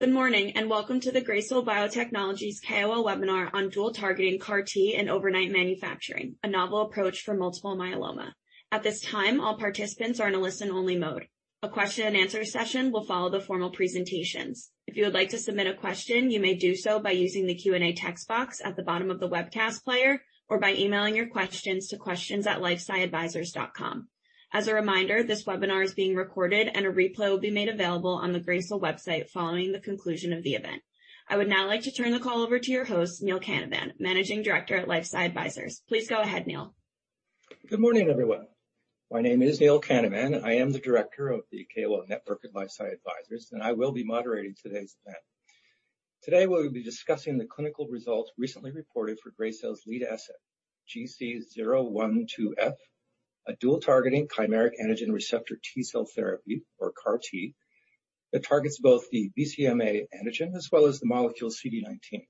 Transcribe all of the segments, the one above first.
Good morning, and welcome to the Gracell Biotechnologies KOL Webinar on Dual Targeting CAR-T and Overnight Manufacturing, a Novel Approach for multiple myeloma. At this time, all participants are in a listen only mode. A question and answer session will follow the formal presentations. If you would like to submit a question, you may do so by using the Q&A text box at the bottom of the webcast player or by emailing your questions to questions@lifesciadvisors.com. As a reminder, this webinar is being recorded and a replay will be made available on the Gracell website following the conclusion of the event. I would now like to turn the call over to your host, Neil Canavan, Managing Director at LifeSci Advisors. Please go ahead, Neil. Good morning, everyone. My name is Neil Canavan, and I am the Director of the KOL Network at LifeSci Advisors, and I will be moderating today's event. Today, we will be discussing the clinical results recently reported for Gracell lead asset, GC012F, a dual targeting chimeric antigen receptor T -cell therapy, or CAR-T, that targets both the BCMA antigen as well as the molecule CD19.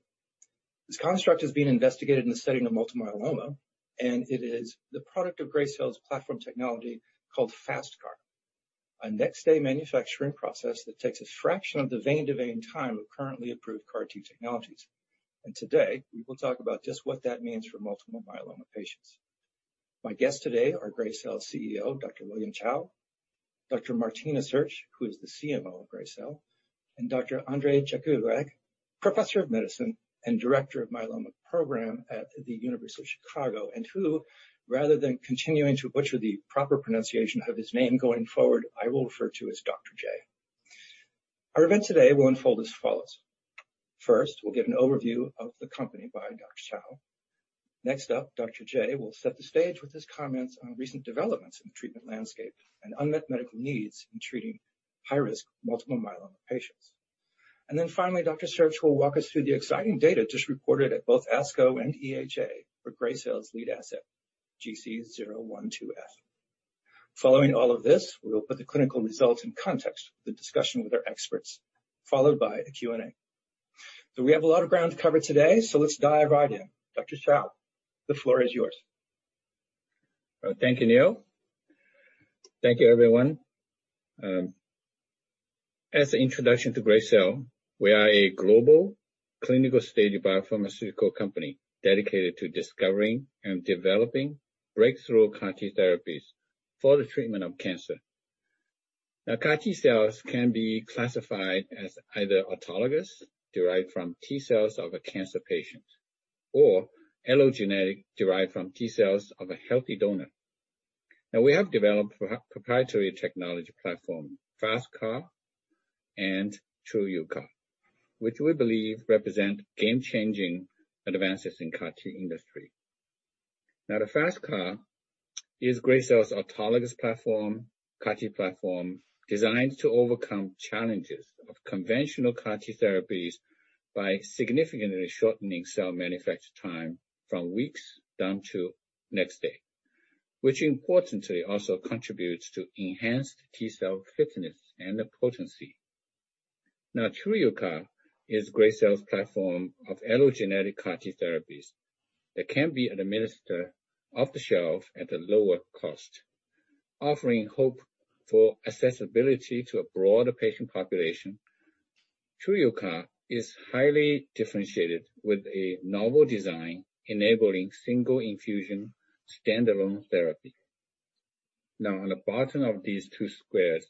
This construct is being investigated in the setting of multiple myeloma, and it is the product of Gracell's platform technology called FasTCAR, a next day manufacturing process that takes a fraction of the vein to vein time of currently approved CAR-T technologies. Today, we will talk about just what that means for multiple myeloma patients. My guests today are Gracell's CEO, Dr. William Cao, Dr. Martina Sersch, who is the CMO of Gracell, and Dr. Andrzej Jakubowiak, Professor of Medicine and Director of Myeloma Program at the University of Chicago, and who, rather than continuing to butcher the proper pronunciation of his name going forward, I will refer to as Dr. J. Our event today will unfold as follows. First, we'll get an overview of the company by Dr. Cao. Next up, Dr. J will set the stage with his comments on recent developments in the treatment landscape and unmet medical needs in treating high-risk multiple myeloma patients. Then finally, Dr. Sersch will walk us through the exciting data just reported at both ASCO and EHA for Gracell's lead asset, GC012F. Following all of this, we will put the clinical results in context with a discussion with our experts, followed by a Q&A. We have a lot of ground to cover today, so let's dive right in. Dr. Cao, the floor is yours. Thank you, Neil. Thank you, everyone. As an introduction to Gracell, we are a global clinical-stage biopharmaceutical company dedicated to discovering and developing breakthrough CAR-T therapies for the treatment of cancer. CAR-T cells can be classified as either autologous, derived from T-cells of a cancer patient, or allogeneic, derived from T-cells of a healthy donor. We have developed proprietary technology platform, FasTCAR and TruUCAR, which we believe represent game-changing advances in CAR-T industry. The FasTCAR is Gracell's autologous platform, CAR-T platform, designed to overcome challenges of conventional CAR-T therapies by significantly shortening cell manufacture time from weeks down to next day, which importantly also contributes to enhanced T-cell fitness and potency. TruUCAR is Gracell's platform of allogeneic CAR-T therapies that can be administered off the shelf at a lower cost, offering hope for accessibility to a broader patient population. TruUCAR is highly differentiated with a novel design enabling single infusion standalone therapy. On the bottom of these two squares,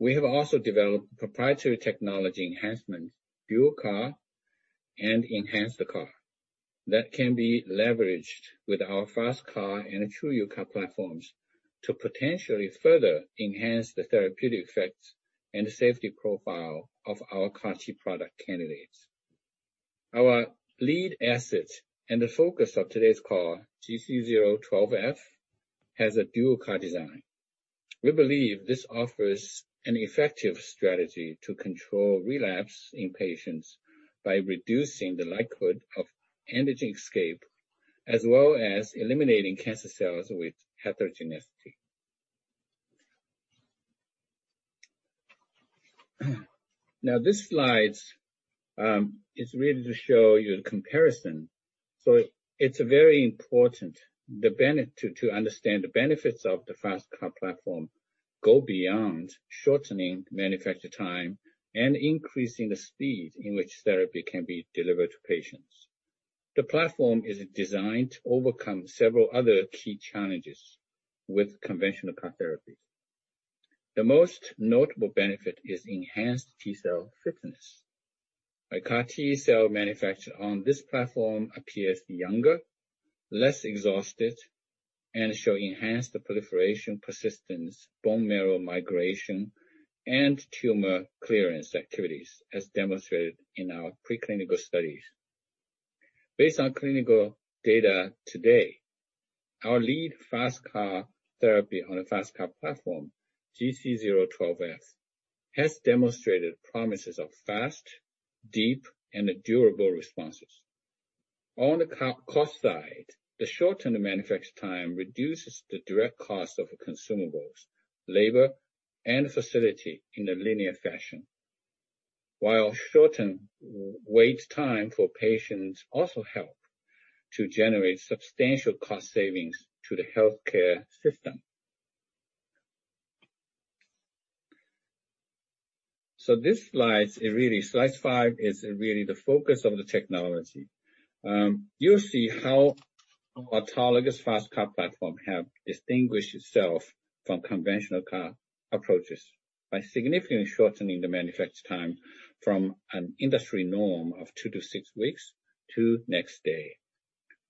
we have also developed proprietary technology enhancements, Dual CAR and Enhanced CAR, that can be leveraged with our FasTCAR and TruUCAR platforms to potentially further enhance the therapeutic effects and safety profile of our CAR-T product candidates. Our lead asset and the focus of today's call, GC012F, has a Dual CAR design. We believe this offers an effective strategy to control relapse in patients by reducing the likelihood of antigen escape, as well as eliminating cancer cells with heterogeneity. This slide is really to show you a comparison. It's very important to understand the benefits of the FasTCAR platform go beyond shortening manufacture time and increasing the speed in which therapy can be delivered to patients. The platform is designed to overcome several other key challenges with conventional CAR therapies. The most notable benefit is enhanced T-cell fitness. A CAR-T cell manufactured on this platform appears younger, less exhausted, and show enhanced proliferation, persistence, bone marrow migration, and tumor clearance activities as demonstrated in our preclinical studies. Based on clinical data today, our lead FasTCAR therapy on the FasTCAR platform, GC012F, has demonstrated promises of fast, deep, and durable responses. On the cost side, the shortened manufacture time reduces the direct cost of consumables, labor, and facility in a linear fashion. While shortened wait time for patients also help to generate substantial cost savings to the healthcare system. This slide five, is really the focus of the technology you'll see how our Autologous FasTCAR platform have distinguished itself from conventional CAR approaches by significantly shortening the manufacture time from an industry norm of two to six weeks to next day.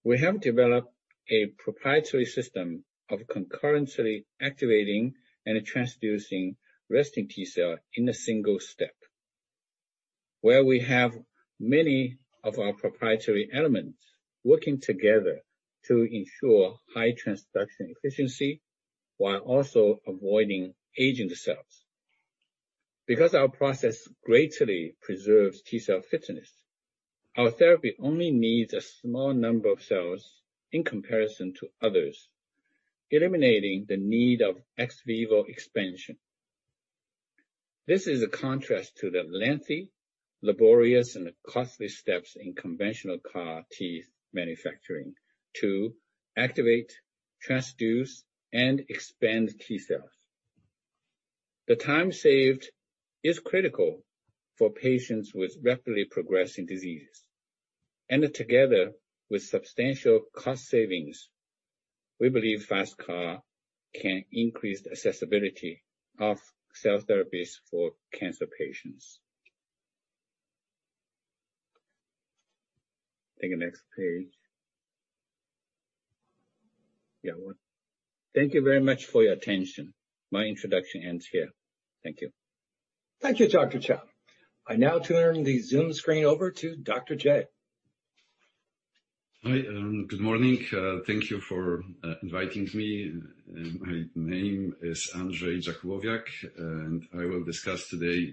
We have developed a proprietary system of concurrently activating and transducing resting T-cell in a single step, where we have many of our proprietary elements working together to ensure high transduction efficiency while also avoiding aging cells. Because our process greatly preserves T-cell fitness, our therapy only needs a small number of cells in comparison to others, eliminating the need of ex vivo expansion. This is a contrast to the lengthy, laborious, and costly steps in conventional CAR-T manufacturing to activate, transduce, and expand T-cells. The time saved is critical for patients with rapidly progressing diseases. Together with substantial cost savings, we believe FasTCAR can increase accessibility of cell therapies for cancer patients. Take the next page. Yeah. Thank you very much for your attention. My introduction ends here. Thank you. Thank you, Dr. Cao. I now turn the Zoom screen over to Dr. J. Hi, good morning. Thank you for inviting me. My name is Andrzej Jakubowiak, I will discuss today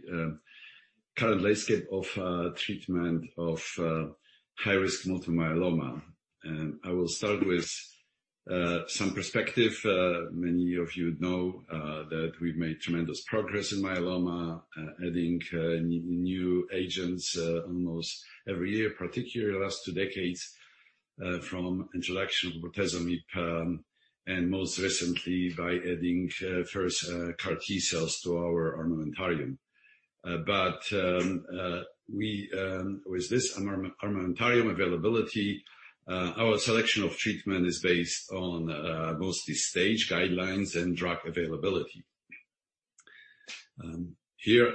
current landscape of treatment of high-risk multiple myeloma. I will start with some perspective many of you know that we've made tremendous progress in myeloma, adding new agents almost every year, particularly the last two decades, from introduction of bortezomib, and most recently by adding first CAR-T cells to our armamentarium. With this armamentarium availability, our selection of treatment is based on mostly stage guidelines and drug availability.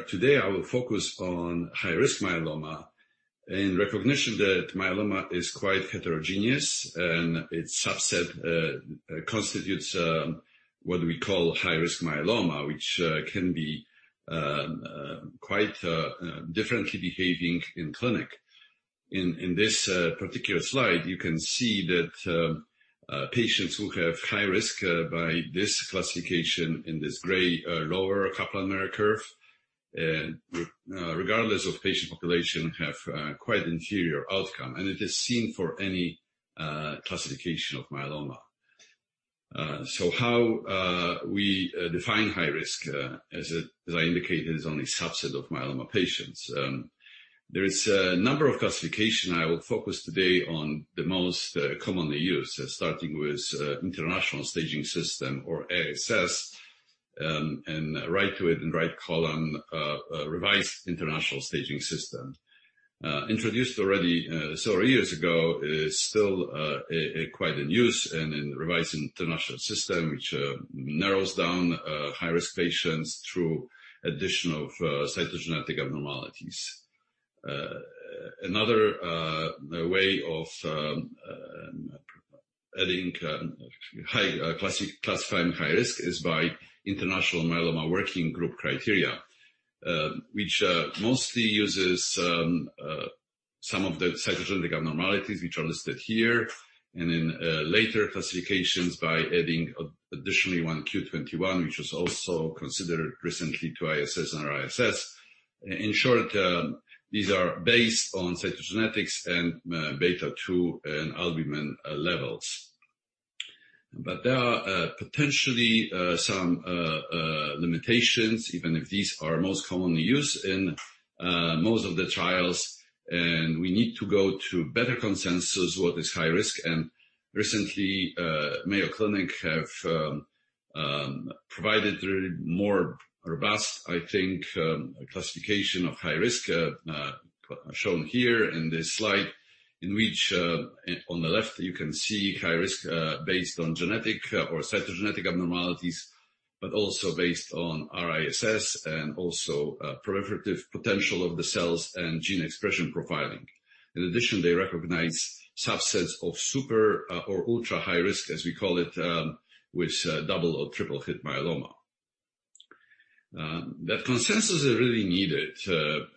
Today, I will focus on high-risk myeloma in recognition that myeloma is quite heterogeneous, and its subset constitutes what we call high-risk myeloma, which can be quite differently behaving in clinic. In this particular slide, you can see that patients who have high risk by this classification in this gray lower Kaplan-Meier curve, regardless of patient population, have quite inferior outcome, and it is seen for any classification of myeloma. How we define high risk, as I indicated, is only a subset of myeloma patients. There is a number of classification I will focus today on the most commonly used, starting with International Staging System or ISS, and right to it in right column, Revised International Staging System. Introduced already several years ago, it is still quite in use and in Revised International Staging System, which narrows down high-risk patients through additional cytogenetic abnormalities. Another way of classifying high risk is by International Myeloma Working Group criteria which mostly uses some of the cytogenetic abnormalities, which are listed here and in later classifications by adding additionally 1Q21, which was also considered recently to ISS and R-ISS. In short, these are based on cytogenetics and beta-2 and albumin levels. There are potentially some limitations, even if these are most commonly used in most of the trials, and we need to go to better consensus what is high risk, and recently, Mayo Clinic have provided a more robust, I think, classification of high risk shown here in this slide, in which on the left, you can see high risk based on genetic or cytogenetic abnormalities, but also based on R-ISS and also proliferative potential of the cells and gene expression profiling. In addition, they recognize subsets of super or ultra-high risk as we call it with double or triple hit myeloma. The consensus is really needed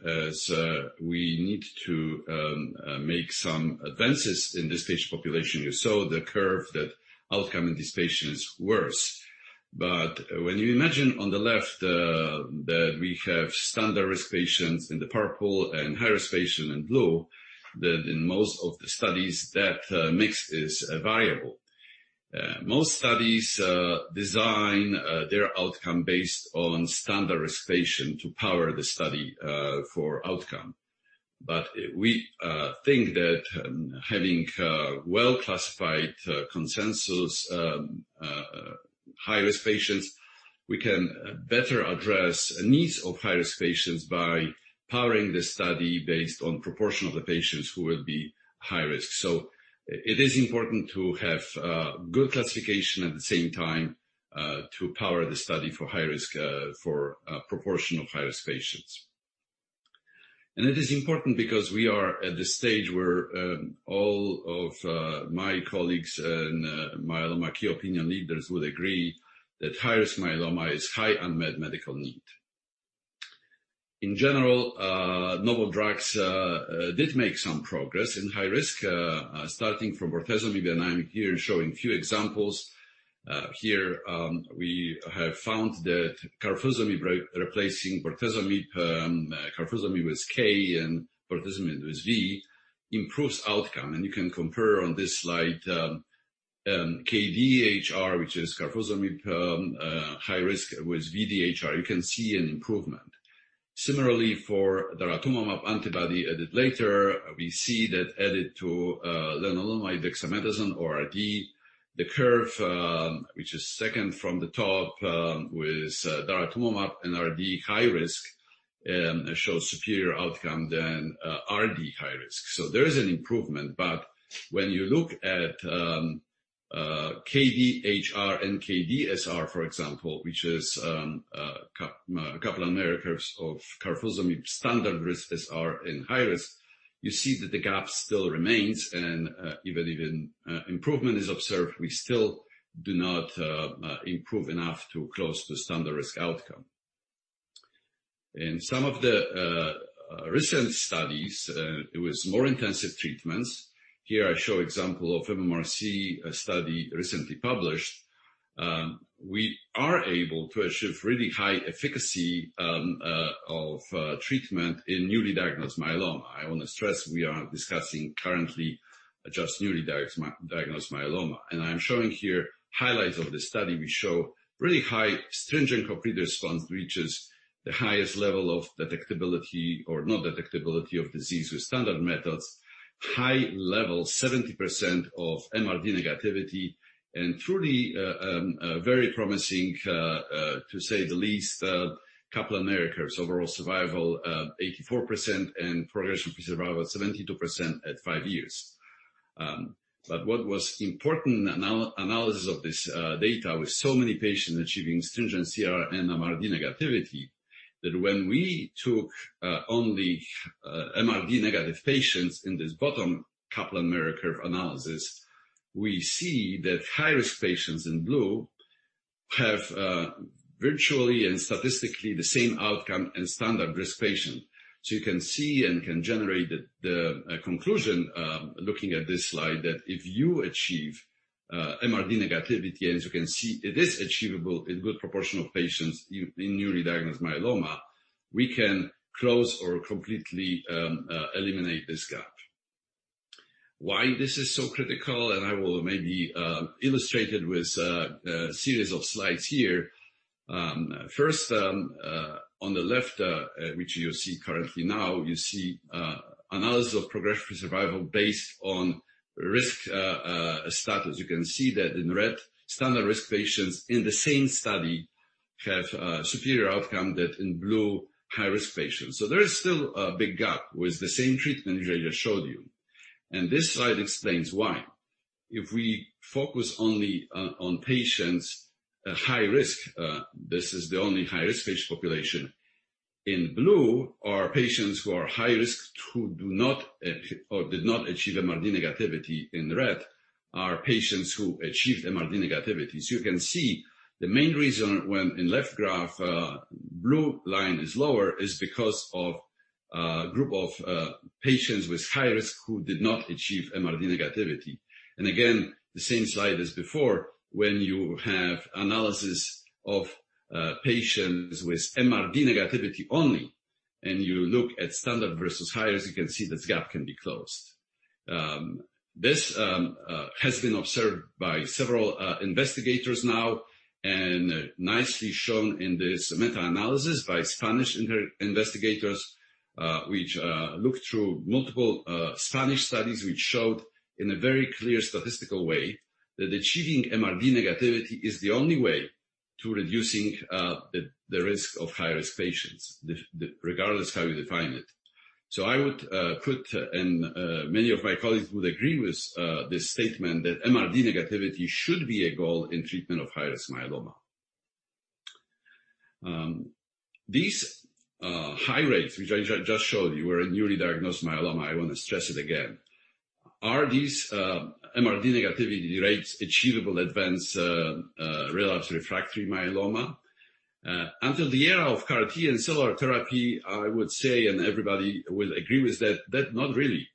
as we need to make some advances in this stage population. You saw the curve that outcome in this patient is worse. When you imagine on the left that we have standard risk patients in the purple and high-risk patient in blue, that in most of the studies that mix is viable. Most studies design their outcome based on standard risk patient to power the study for outcome. We think that having well-classified consensus high-risk patients, we can better address needs of high-risk patients by powering the study based on proportion of the patients who will be high risk. It is important to have good classification at the same time to power the study for proportion of high-risk patients. It is important because we are at the stage where all of my colleagues and myeloma key opinion leaders would agree that high-risk myeloma is high unmet medical need. In general, novel drugs did make some progress in high risk, starting from bortezomib, and I'm here showing two examples. Here, we have found that carfilzomib replacing bortezomib, carfilzomib was K and bortezomib was B, improves outcome. You can compare on this slide, KD-HR, which is carfilzomib high risk with VD-HR, you can see an improvement. Similarly, for daratumumab antibody added later, we see that added to lenalidomide dexamethasone or RD, the curve, which is second from the top, with daratumumab and RD high risk shows superior outcome than RD high risk. There is an improvement, but when you look at KD-HR and KD-SR, for example, which is a couple of American curves of carfilzomib standard risk SR and high risk, you see that the gap still remains and even if an improvement is observed, we still do not improve enough to close the standard risk outcome. In some of the recent studies it was more intensive treatments. Here I show example of MMRC study recently published. We are able to achieve really high efficacy of treatment in newly diagnosed myeloma. I want to stress we are discussing currently just newly diagnosed myeloma. I'm showing here highlights of the study. We show really high stringent complete response, which is the highest level of detectability or non-detectability of disease with standard methods, high level, 70% of MRD negativity, and truly very promising, to say the least, Kaplan-Meier curves, overall survival 84% and progression-free survival 72% at five years. What was important analysis of this data with so many patients achieving stringent CR and MRD negativity, that when we took only MRD negative patients in this bottom Kaplan-Meier curve analysis, we see that high-risk patients in blue have virtually and statistically the same outcome as standard-risk patient. You can see and can generate the conclusion, looking at this slide, that if you achieve MRD negativity, and you can see it is achievable in good proportion of patients in newly diagnosed myeloma, we can close or completely eliminate this gap. Why this is so critical. I will maybe illustrate it with a series of slides here. First, on the left, which you see currently now, you see analysis of progression-free survival based on risk status. You can see that in red, standard risk patients in the same study have a superior outcome than in blue high-risk patients. There is still a big gap with the same treatment I just showed you. This slide explains why. If we focus only on patients at high risk, this is the only high-risk patient population. In blue are patients who are high risk who do not or did not achieve MRD negativity. In red are patients who achieved MRD negativity. You can see the main reason when in left graph, blue line is lower is because of a group of patients with high risk who did not achieve MRD negativity. Again, the same slide as before, when you have analysis of patients with MRD negativity only, and you look at standard versus high risk, you can see this gap can be closed. This has been observed by several investigators now and nicely shown in this meta-analysis by Spanish investigators, which looked through multiple Spanish studies, which showed in a very clear statistical way that achieving MRD negativity is the only way to reducing the risk of high-risk patients, regardless how you define it. I would put, and many of my colleagues would agree with this statement, that MRD negativity should be a goal in treatment of high-risk myeloma. These high rates, which I just showed you, were newly diagnosed myeloma, I want to stress it again. Are these MRD negativity rates achievable advanced relapse/refractory myeloma? Until the era of CAR-T and cellular therapy, I would say, and everybody would agree with that, not really.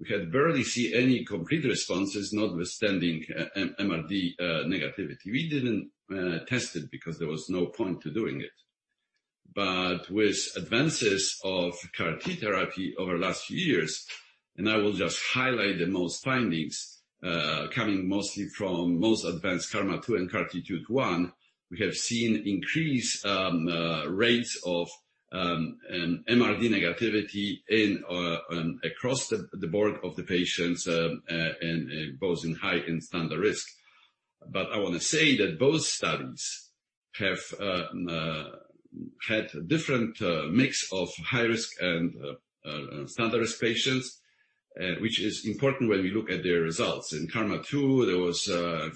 We could barely see any complete responses notwithstanding MRD negativity. We didn't test it because there was no point to doing it. With advances of CAR-T therapy over the last few years. I will just highlight the most findings, coming mostly from most advanced KarMMa-2 and CARTITUDE-1. We have seen increased rates of MRD negativity across the board of the patients, both in high and standard risk. I want to say that both studies have had a different mix of high risk and standard risk patients, which is important when we look at their results. In KarMMa-2, there was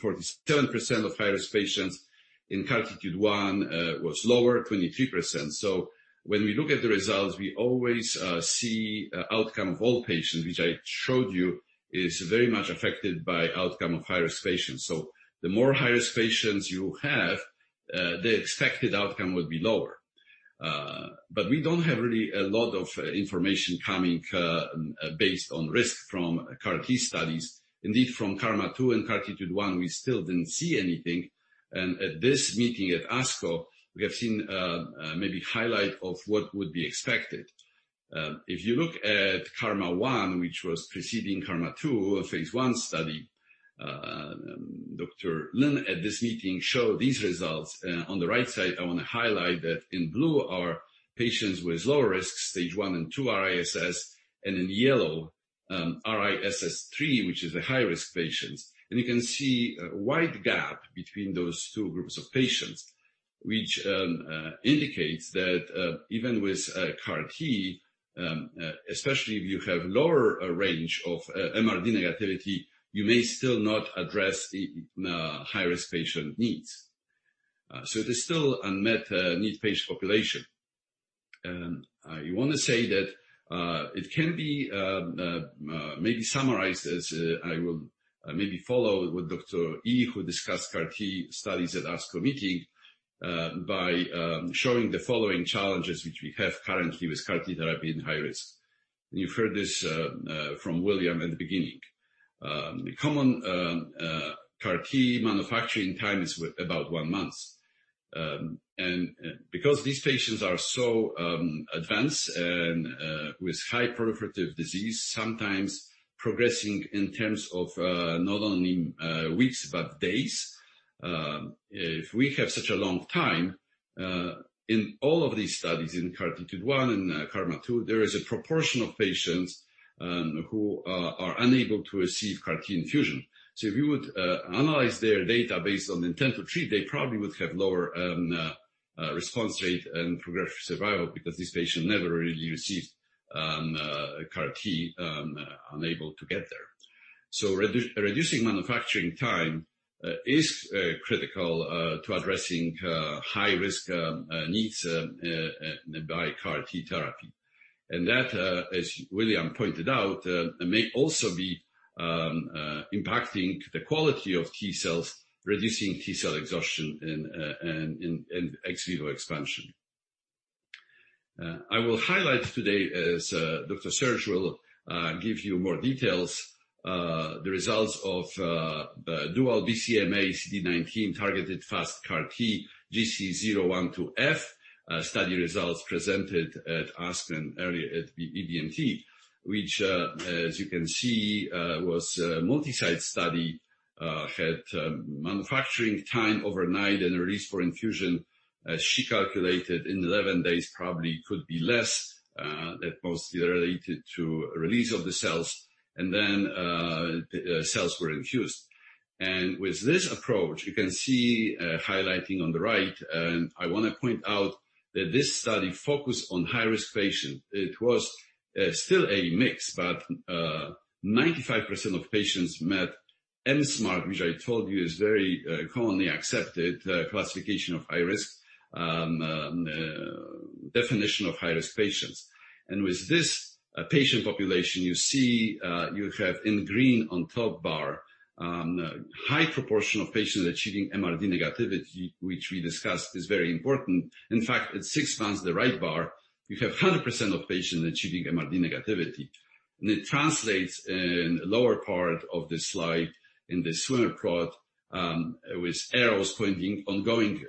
47% of high-risk patients. In CARTITUDE-1 it was lower 23%. When we look at the results we always see outcome of all patients, which I showed you is very much affected by outcome of high-risk patients. The more high-risk patients you have, the expected outcome would be lower. We don't have really a lot of information coming based on risk from CAR-T studies. Indeed, from KarMMa-2 and CARTITUDE-1, we still didn't see anything. At this meeting at ASCO, we have seen maybe highlight of what would be expected. If you look at KarMMa-1, which was preceding KarMMa-2, a phase I study, Dr. Lin at this meeting showed these results. On the right side, I want to highlight that in blue are patients with low risk, stage 1 and 2 R-ISS, and in yellow, R-ISS 3, which is the high-risk patients. You can see a wide gap between those two groups of patients, which indicates that even with CAR-T, especially if you have lower range of MRD negativity, you may still not address the high-risk patient needs. There's still unmet need patient population. You want to say that it can be maybe summarized as, I will maybe follow with Dr. Lin, who discussed CAR-T studies at ASCO meeting, by showing the following challenges which we have currently with CAR-T therapy in high risk. You've heard this from William in the beginning. The common CAR-T manufacturing time is about one month. Because these patients are so advanced and with high proliferative disease, sometimes progressing in terms of not only weeks but days, if we have such a long time, in all of these studies, in CARTITUDE-1, in KarMMa-2, there is a proportion of patients who are unable to receive CAR-T infusion. If you would analyze their data based on intent to treat they probably would have lower response rate and progression survival because this patient never really received CAR-T unable to get there. Reducing manufacturing time is critical to addressing high risk needs by CAR-T therapy. That, as William pointed out, may also be impacting the quality of T-cells, reducing T-cell exhaustion and ex vivo expansion. I will highlight today, as Dr. Sersch will give you more details, the results of dual BCMA CD19 targeted FasTCAR GC012F study results presented at Aspen earlier at BMT which, as you can see, was a multi-site study, had manufacturing time overnight and release for infusion. She calculated in 11 days, probably could be less, that mostly related to release of the cells, and then the cells were infused. With this approach, you can see highlighting on the right, and I want to point out that this study focused on high-risk patient. It was still a mix, but 95% of patients met mSMART, which I told you is very commonly accepted classification of high risk, definition of high-risk patients. With this patient population, you see you have in green on top bar, high proportion of patients achieving MRD negativity, which we discussed is very important. In fact, at six months, the right bar, you have 100% of patients achieving MRD negativity. It translates in lower part of the slide in the swimmer plot, with arrows pointing ongoing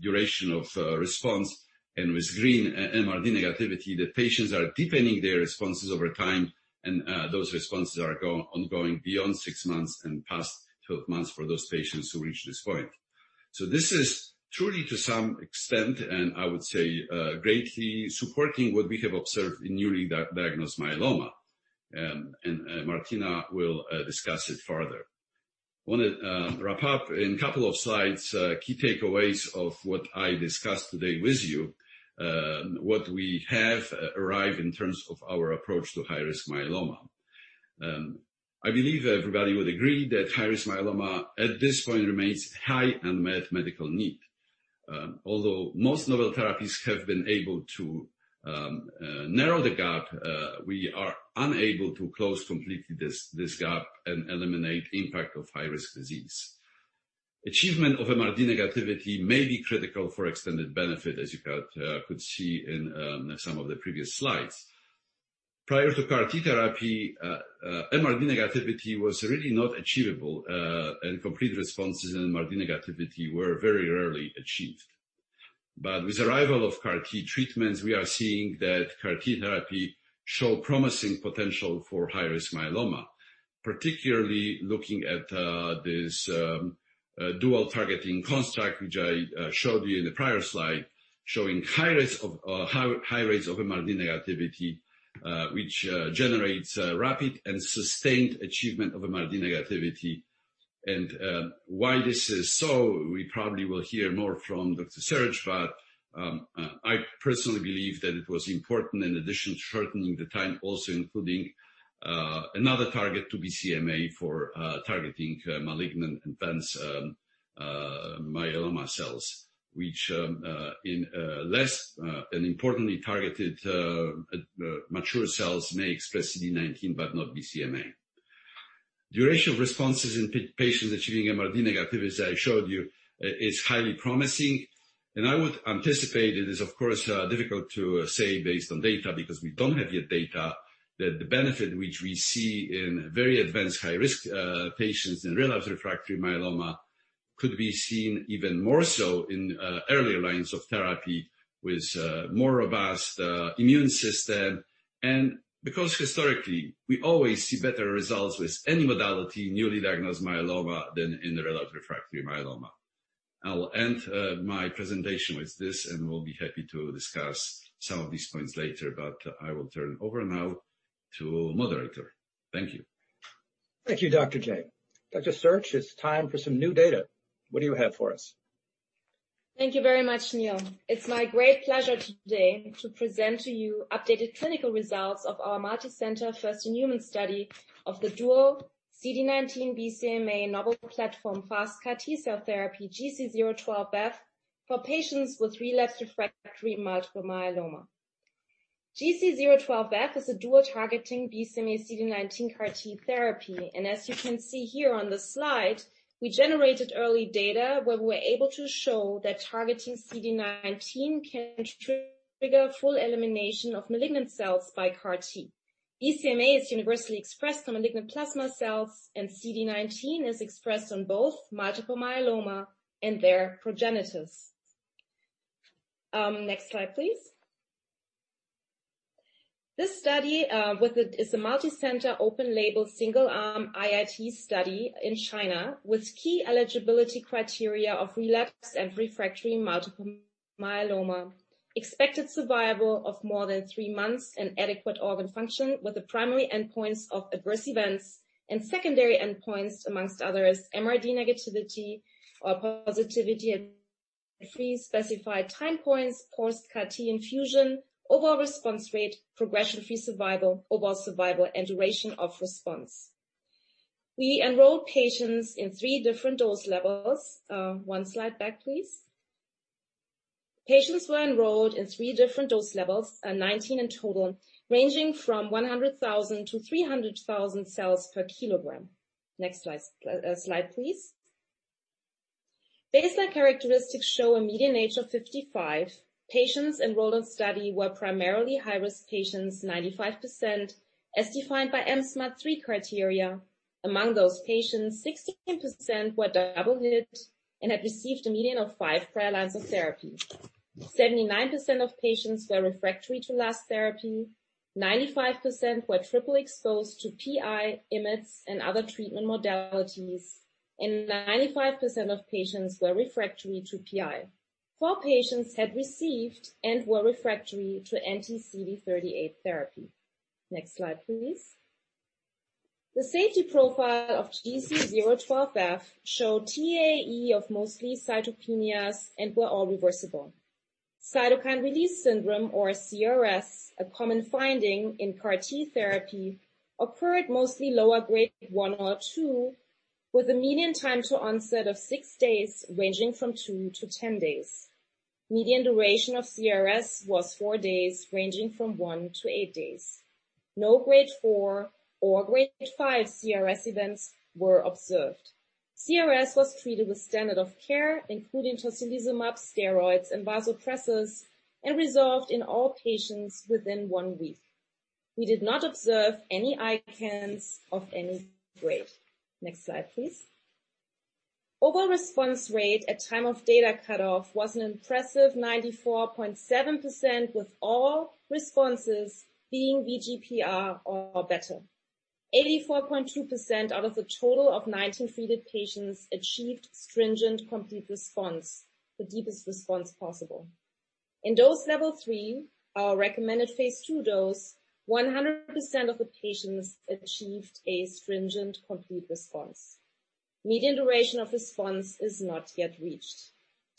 duration of response and with green MRD negativity, the patients are deepening their responses over time, and those responses are ongoing beyond six months and past 12 months for those patients who reach this point. This is truly to some extent, and I would say greatly supporting what we have observed in newly diagnosed myeloma, and Martina will discuss it further. I want to wrap up in a couple of slides, key takeaways of what I discussed today with you, what we have arrived in terms of our approach to high-risk myeloma. I believe everybody would agree that high-risk myeloma at this point remains high unmet medical need. Although most novel therapies have been able to narrow the gap, we are unable to close completely this gap and eliminate impact of high-risk disease. Achievement of MRD negativity may be critical for extended benefit, as you could see in some of the previous slides. Prior to CAR-T therapy, MRD negativity was really not achievable, and complete responses in MRD negativity were very rarely achieved. With arrival of CAR-T treatments, we are seeing that CAR-T therapy show promising potential for high-risk myeloma, particularly looking at this dual targeting construct, which I showed you in the prior slide, showing high rates of MRD negativity, which generates rapid and sustained achievement of MRD negativity. Why this is so, we probably will hear more from Dr. Sersch, but I personally believe that it was important, in addition to shortening the time, also including another target to BCMA for targeting malignant intense myeloma cells, which in less and importantly targeted mature cells make CD19 but not BCMA. Duration of responses in patients achieving MRD negativity, as I showed you, is highly promising, and I would anticipate it is, of course, difficult to say based on data because we don't have yet data, that the benefit which we see in very advanced high-risk patients in relapsed refractory myeloma could be seen even more so in early lines of therapy with more robust immune system. Because historically, we always see better results with any modality, newly diagnosed myeloma than in relapsed refractory myeloma. I will end my presentation with this. Will be happy to discuss some of these points later. I will turn over now to moderator. Thank you. Thank you, Dr. J. Dr. Sersch, it's time for some new data. What do you have for us? Thank you very much, Neil. It's my great pleasure today to present to you updated clinical results of our multi-center first in human study of the dual CD19 BCMA novel platform FasTCAR T-cell therapy GC012F for patients with relapsed/refractory multiple myeloma. GC012F is a dual targeting BCMA CD19 CAR-T therapy, and as you can see here on the slide, we generated early data where we're able to show that targeting CD19 can trigger full elimination of malignant cells by CAR-T. BCMA is universally expressed on malignant plasma cells, and CD19 is expressed on both multiple myeloma and their progenitors. Next slide, please. This study is a multi-center, open-label, single arm IIT study in China with key eligibility criteria of relapsed and refractory multiple myeloma, expected survival of more than three months and adequate organ function with the primary endpoints of adverse events and secondary endpoints, amongst others, MRD negativity or positivity at three specified time points, post-CAR-T infusion, overall response rate, progression-free survival, overall survival, and duration of response. We enrolled patients in three different dose levels. One slide back, please. Patients were enrolled in three different dose levels, 19 in total, ranging from 100,000 to 300,000 cells per kilogram. Next slide, please. Baseline characteristics show a median age of 55 patients enrolled in study were primarily high-risk patients, 95%, as defined by mSMART criteria. Among those patients, 60% were double hit and had received a median of five prior lines of therapy. 79% of patients were refractory to last therapy, 95% were triple exposed to PI, IMiD, and other treatment modalities, and 95% of patients were refractory to PI four patients had received and were refractory to anti-CD38 therapy. Next slide, please. The safety profile of GC012F showed TEAEs of mostly cytopenias and were all reversible. Cytokine release syndrome, or CRS, a common finding in CAR-T therapy, occurred mostly low-grade 1 or 2, with a median time to onset of six days, ranging from 2-10 days. Median duration of CRS was four days, ranging from one to eight days. No grade 4 or grade 5 CRS events were observed. CRS was treated with standard of care, including tocilizumab, steroids, and vasopressors, and resolved in all patients within one week. We did not observe any ICANS of any grade. Next slide, please. Overall response rate at time of data cutoff was an impressive 94.7%, with all responses being VGPR or better. 84.2% out of the total of 19 treated patients achieved stringent complete response, the deepest response possible. In dose level three, our recommended phase II dose, 100% of the patients achieved a stringent complete response. Median duration of response is not yet reached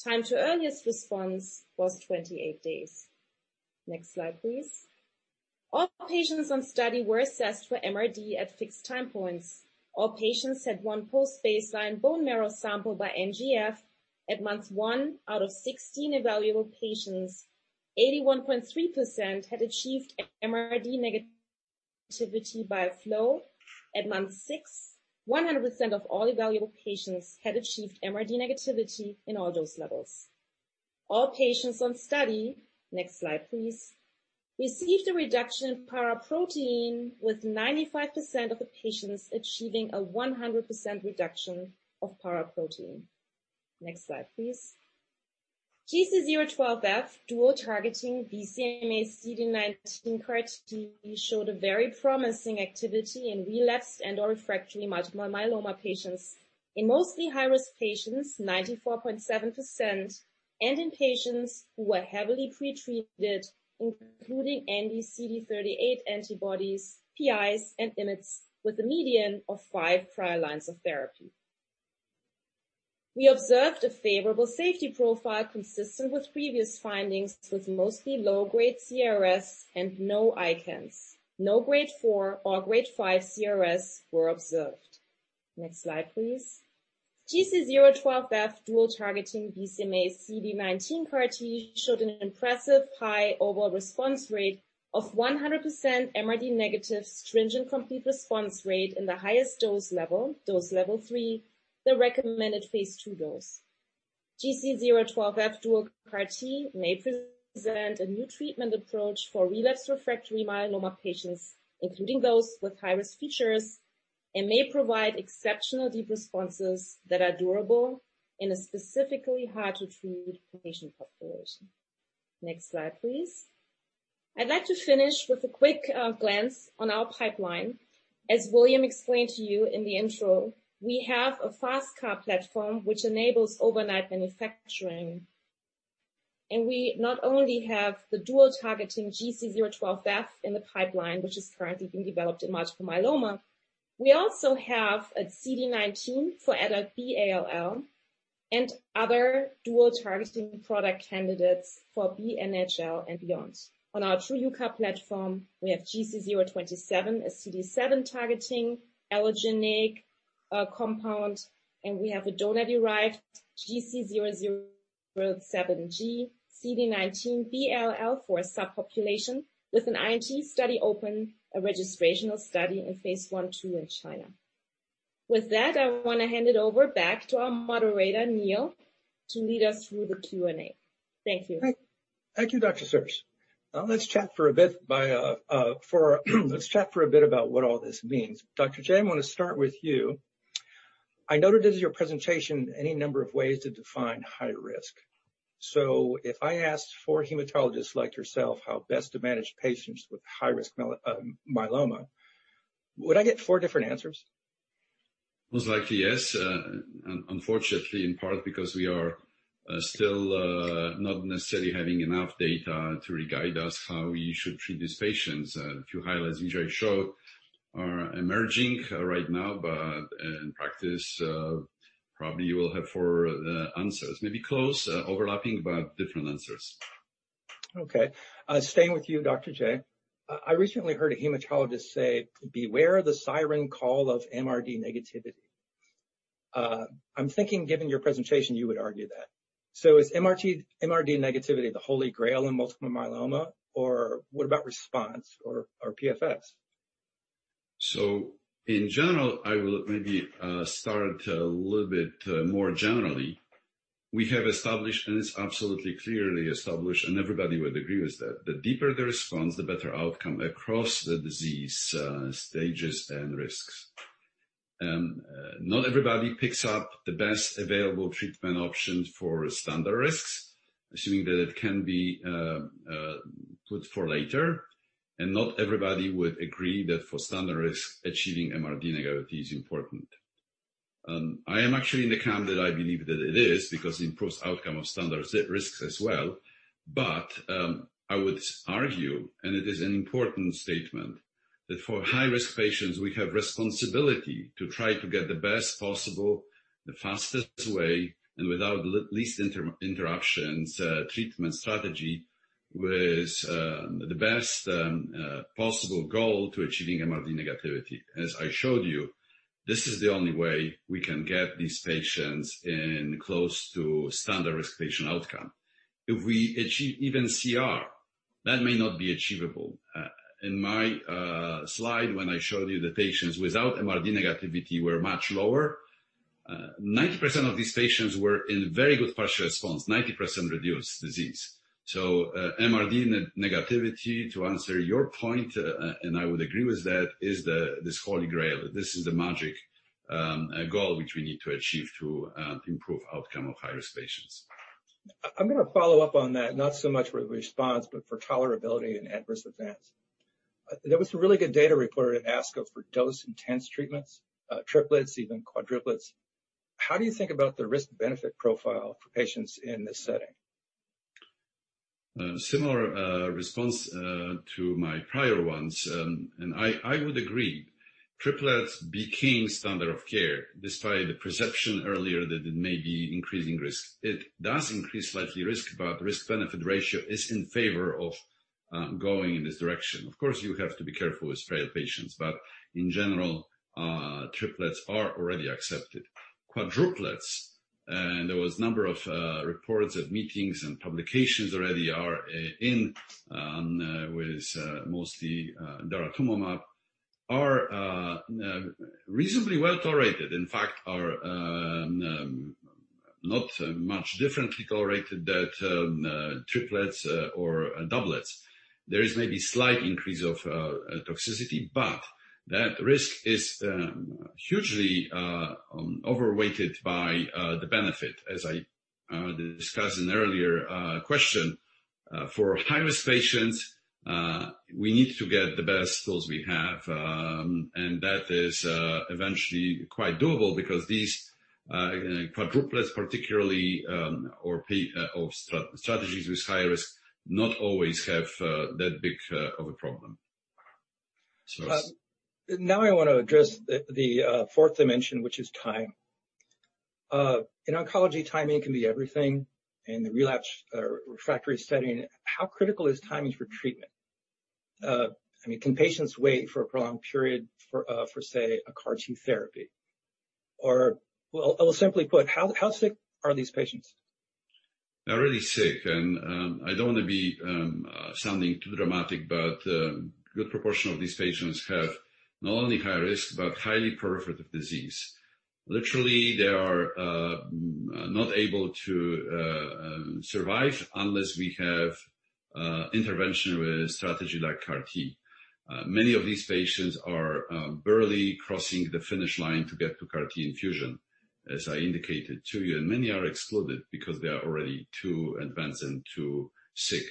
time to earliest response was 28 days. Next slide, please. All patients on study were assessed for MRD at six time points. All patients had one post-baseline bone marrow sample by NGF at month one out of 16 evaluable patients. 81.3% had achieved MRD negativity by flow. At month six, 100% of all evaluable patients had achieved MRD negativity in all dose levels. All patients on study. Next slide, please. We see the reduction of paraprotein with 95% of the patients achieving a 100% reduction of paraprotein. Next slide, please. GC012F dual targeting BCMA CD19 CAR-T showed a very promising activity in relapsed and/or refractory multiple myeloma patients in mostly high-risk patients, 94.7%, and in patients who were heavily pre-treated, including anti-CD38 antibodies, PIs, and IMiDs with a median of five prior lines of therapy. We observed a favorable safety profile consistent with previous findings with mostly low-grade CRS and no ICANS. No grade 4 or grade 5 CRS were observed. Next slide, please. GC012F dual targeting BCMA CD19 CAR-T showed an impressive high overall response rate of 100% MRD negative stringent complete response rate in the highest dose level, dose level three, the recommended phase II dose. GC012F dual CAR-T may present a new treatment approach for relapsed/refractory myeloma patients, including those with high-risk features, and may provide exceptional deep responses that are durable in a specifically hard-to-treat patient population. Next slide, please. I'd like to finish with a quick glance on our pipeline. As William explained to you in the intro, we have a FasTCAR platform, which enables overnight manufacturing. We not only have the dual-targeting GC012F in the pipeline, which is currently being developed in multiple myeloma, we also have a CD19 for B-ALL and other dual-targeting product candidates for B-NHL and beyond. On our TruUCAR platform, we have GC027, a CD7 targeting allogeneic compound, and we have a donor-derived GC007g CD19 B-ALL for subpopulation with an IND study open, a registrational study in phase I/II in China. With that, I want to hand it over back to our moderator, Neil, to lead us through the Q&A. Thank you. Thank you, Dr. Sersch. Let's chat for a bit about what all this means. Dr. J, I'm going to start with you. I noted in your presentation any number of ways to define high risk. If I asked four hematologists like yourself how best to manage patients with high-risk myeloma, would I get four different answers? Most likely, yes. Unfortunately, in part because we are still not necessarily having enough data to guide us how we should treat these patients. A few highlights you already showed are emerging right now, but in practice, probably you will have four answers, maybe close, overlapping, but different answers. Staying with you, Dr. J, I recently heard a hematologist say, "Beware the siren call of MRD negativity." I'm thinking, given your presentation, you would argue that. Is MRD negativity the holy grail in multiple myeloma, or what about response or PFS? In general, I will maybe start a little bit more generally. We have established, and it's absolutely clearly established, and everybody would agree with that, the deeper the response, the better outcome across the disease stages and risks. Not everybody picks up the best available treatment option for standard risks, assuming that it can be put for later, and not everybody would agree that for standard risks, achieving MRD negativity is important. I am actually in the camp that I believe that it is because it improves outcome of standard risks as well. I would argue, and it is an important statement that for high-risk patients, we have responsibility to try to get the best possible, the fastest way, and with the least interruptions treatment strategy with the best possible goal to achieving MRD negativity. As I showed you, this is the only way we can get these patients in close to standard risk patient outcome. If we achieve even CR, that may not be achievable. In my slide, when I showed you the patients without MRD negativity were much lower, 90% of these patients were in Very Good Partial Response, 90% reduced disease. MRD negativity, to answer your point, and I would agree with that, is this holy grail. This is the magic goal which we need to achieve to improve outcome of high-risk patients. I'm going to follow up on that, not so much with response, but for tolerability and adverse events. There was some really good data reported at ASCO for dose-intense treatments, triplets, even quadruplets. How do you think about the risk-benefit profile for patients in this setting? Similar response to my prior ones. I would agree, triplets became standard of care, despite the perception earlier that it may be increasing risk. It does increase slightly risk-benefit ratio is in favor of going in this direction. Of course, you have to be careful with frail patients, in general, triplets are already accepted. Quadruplets, there was a number of reports at meetings and publications already are in with mostly daratumumab are reasonably well tolerated. In fact, are not much differently tolerated than triplets or doublets. There is maybe slight increase of toxicity, that risk is hugely overweighted by the benefit, as I discussed in an earlier question. For high-risk patients, we need to get the best tools we have, that is eventually quite doable because these quadruplets particularly, or strategies with high risk, not always have that big of a problem. Now I want to address the fourth dimension, which is time. In oncology, timing can be everything. In the relapse refractory setting, how critical is timing for treatment? Can patients wait for a prolonged period for, say, a CAR-T therapy? Simply put, how sick are these patients? They're really sick, and I don't want to be sounding too dramatic, but a good proportion of these patients have not only high risk but highly progressive disease. Literally, they are not able to survive unless we have intervention with a strategy like CAR-T. Many of these patients are barely crossing the finish line to get to CAR-T infusion, as I indicated to you, and many are excluded because they are already too advanced and too sick.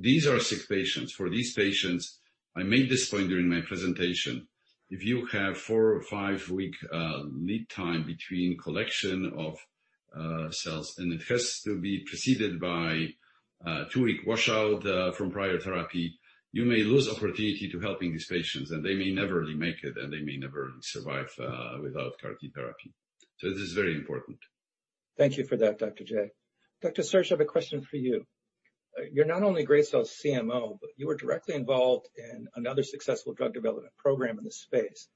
These are sick patients. For these patients, I made this point during my presentation, if you have four or five week lead time between collection of cells and it has to be preceded by two week washout from prior therapy, you may lose opportunity to helping these patients, and they may never make it, and they may never survive without CAR-T therapy. This is very important. Thank you for that, Dr. Jakubowiak. Dr. Sersch, I have a question for you. You're not only Gracell's CMO, but you were directly involved in another successful drug development program in the space,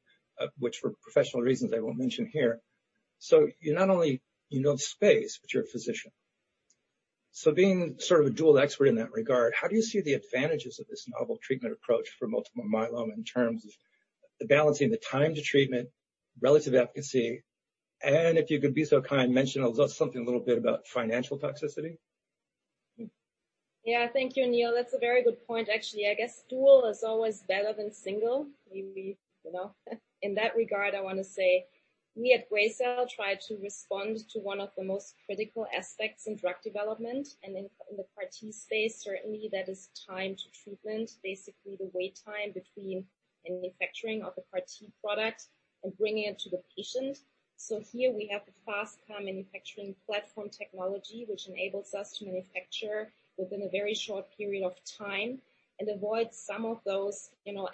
which for professional reasons I won't mention here. You not only know the space, but you're a physician. Being sort of dual expert in that regard, how do you see the advantages of this novel treatment approach for multiple myeloma in terms of balancing the time to treatment, relative efficacy, and if you could be so kind, mention something a little bit about financial toxicity? Thank you, Neil. That's a very good point, actually. I guess dual is always better than single. In that regard, I want to say, we at Gracell try to respond to one of the most critical aspects in drug development and in the CAR-T space, certainly that is time to treatment, basically the wait time between manufacturing of the CAR-T product and bringing it to the patient. Here we have a fast time manufacturing platform technology, which enables us to manufacture within a very short period of time and avoid some of those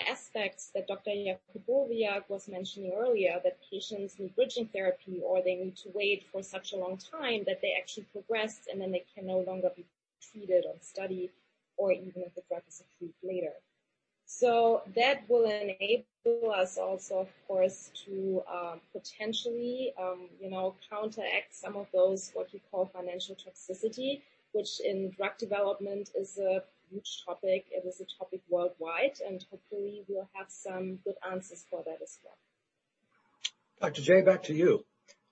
aspects that Dr. Jakubowiak was mentioning earlier, that patients in bridging therapy or they need to wait for such a long time that they actually progress, and then they can no longer be treated or studied or even if it gets approved later. That will enable us also, of course, to potentially counteract some of those, what you call financial toxicity, which in drug development is a huge topic. It is a topic worldwide, and hopefully, we'll have some good answers for that as well. Dr. J, back to you.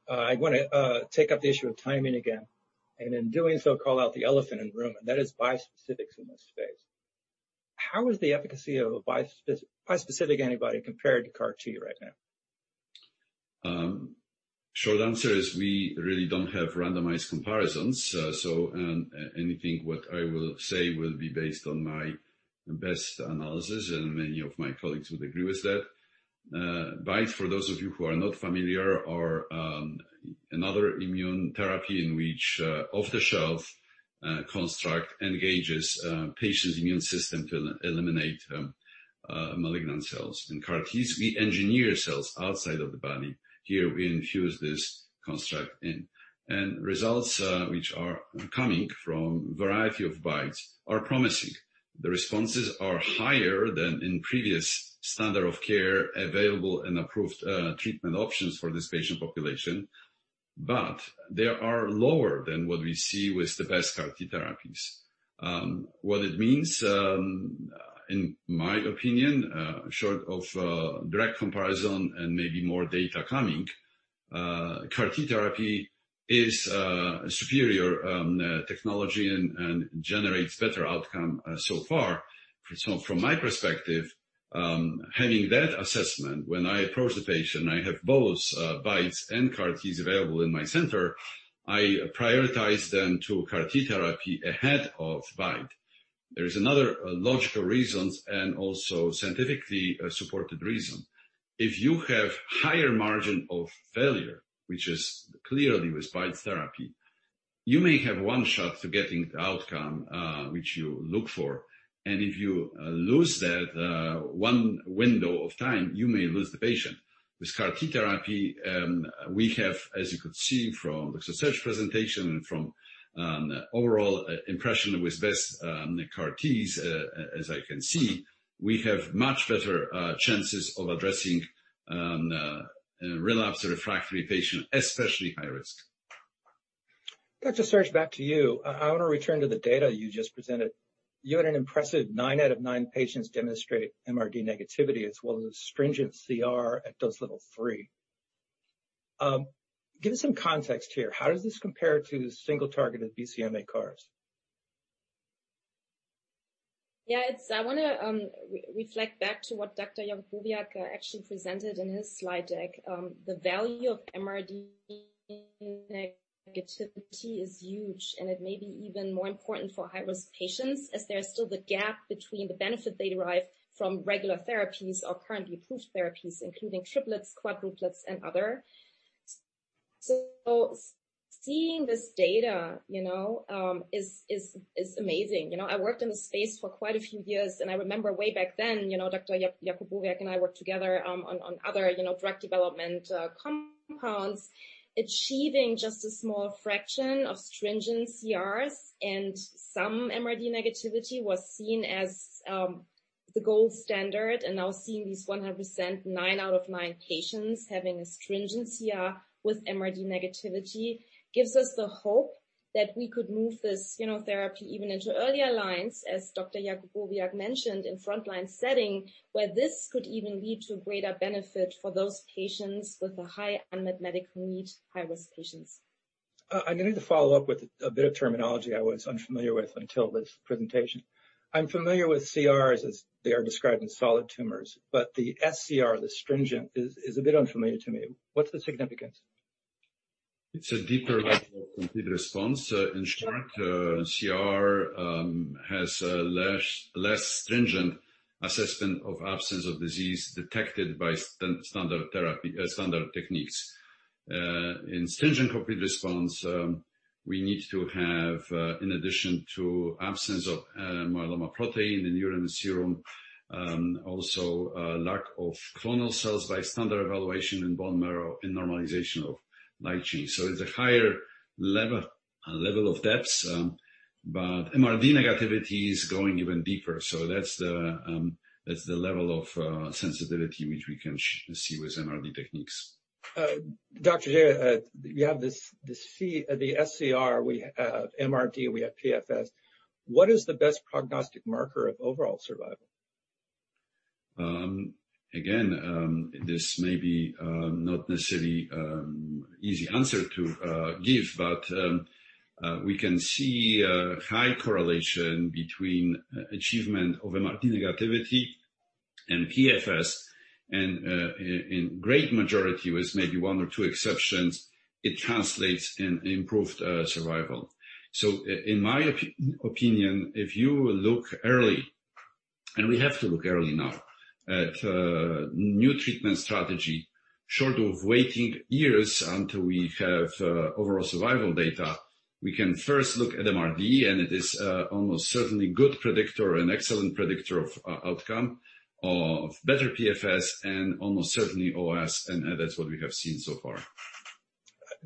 I want to take up the issue of timing again, and in doing so, call out the elephant in the room, and that is bispecifics in this space. How is the efficacy of a bispecific antibody compared to CAR-T right now? Short answer is we really don't have randomized comparisons. Anything what I will say will be based on my best analysis, and many of my colleagues would agree with that. BiTEs, for those of you who are not familiar, are another immune therapy in which off-the-shelf construct engages a patient's immune system to eliminate malignant cells. In CAR-Ts, we engineer cells outside of the body. Here we infuse this construct in. Results which are coming from a variety of BiTEs are promising. The responses are higher than in previous standard of care available and approved treatment options for this patient population, but they are lower than what we see with the best CAR-T therapies. What it means, in my opinion, short of direct comparison and maybe more data coming, CAR-T therapy is a superior technology and generates better outcome so far. From my perspective, having that assessment, when I approach the patient, I have both BiTEs and CAR-Ts available in my center, I prioritize them to a CAR-T therapy ahead of BiTE. There's another logical reason and also scientifically supported reason. If you have higher margin of failure, which is clearly with BiTE therapy, you may have one shot to getting the outcome which you look for, and if you lose that one window of time, you may lose the patient. With CAR-T therapy, we have, as you could see from Dr. Sersch presentation and from overall impression with this, the CAR-Ts, as I can see, we have much better chances of addressing relapse refractory patient, especially high risk. Dr. Sersch, back to you. I want to return to the data you just presented. You had an impressive nine out of nine patients demonstrate MRD negativity as well as a stringent CR at dose level three. Give some context here. How does this compare to the single targeted BCMA CARs? I want to reflect back to what Dr. Jakubowiak actually presented in his slide deck. The value of MRD negativity is huge, and it may be even more important for high-risk patients as there's still the gap between the benefit they derive from regular therapies or currently approved therapies, including triplets, quadruplets, and others. Seeing this data is amazing. I worked in the space for quite a few years, and I remember way back then, Dr. Jakubowiak and I worked together on other drug development compounds, achieving just a small fraction of stringent CRs, and some MRD negativity was seen as the gold standard. Now seeing these 100%, nine out of nine patients having a stringent CR with MRD negativity gives us the hope that we could move this therapy even into earlier lines, as Dr. Jakubowiak mentioned, in a frontline setting, where this could even lead to greater benefit for those patients with a high unmet medical need, high-risk patients. I need to follow up with a bit of terminology I was unfamiliar with until this presentation. I'm familiar with CRs as they are described in solid tumors, but the sCR, the stringent, is a bit unfamiliar to me. What's the significance? It's a deeper level of complete response. In short, CR has a less stringent assessment of absence of disease detected by standard techniques. In stringent complete response, we need to have, in addition to absence of myeloma protein in urine and serum, also a lack of clonal cells by standard evaluation in bone marrow and normalization of light chain. It's a higher level of depth, but MRD negativity is going even deeper. That's the level of sensitivity which we can see with MRD techniques. Dr. J, you have the sCR. We have MRD, we have PFS. What is the best prognostic marker of overall survival? This may be not necessarily an easy answer to give, but we can see a high correlation between achievement of MRD negativity and PFS, and in great majority, with maybe one or two exceptions, it translates in improved survival. In my opinion, if you look early and we have to look early now at new treatment strategy short of waiting years until we have overall survival data, we can first look at MRD, and it is almost certainly a good predictor, an excellent predictor of outcome of better PFS and almost certainly OS, and that's what we have seen so far.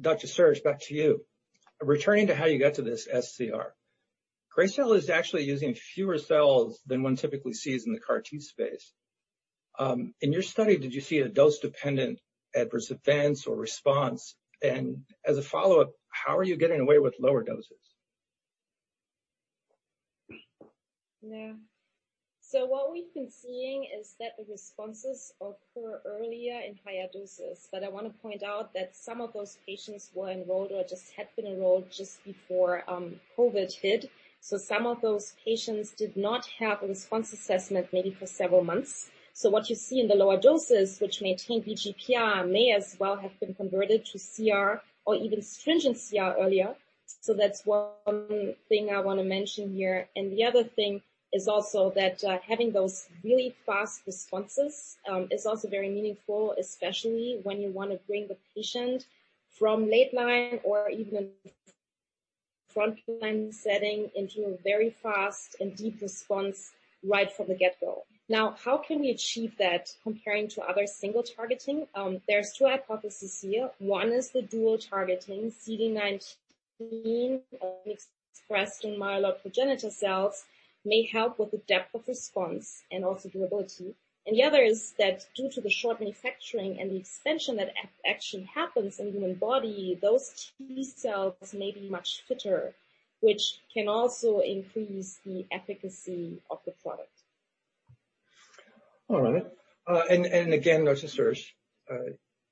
Dr. Sersch, back to you. Returning to how you got to this sCR. Gracell is actually using fewer cells than one typically sees in the CAR-T space. In your study, did you see a dose-dependent adverse event or response? As a follow-up, how are you getting away with lower doses? Yeah. What we've been seeing is that the responses occur earlier in higher doses. I want to point out that some of those patients were enrolled or just had been enrolled just before COVID hit. Some of those patients did not have a response assessment maybe for several months. What you see in the lower doses, which may seem VGPR, may as well have been converted to CR or even [sCR] earlier. That's one thing I want to mention here. The other thing is also that having those really fast responses is also very meaningful, especially when you want to bring the patient from late line or even frontline setting into a very fast and deep response right from the get-go. Now, how can we achieve that comparing to other single targeting? There's two hypotheses here. One is the dual targeting. CD19, which is expressed in myeloid progenitor cells, may help with the depth of response and also durability. The other is that due to the sharp manufacturing and the extension that actually happens in the human body, those T-cells may be much fitter, which can also increase the efficacy of the product. All right. Again, Dr. Sersch,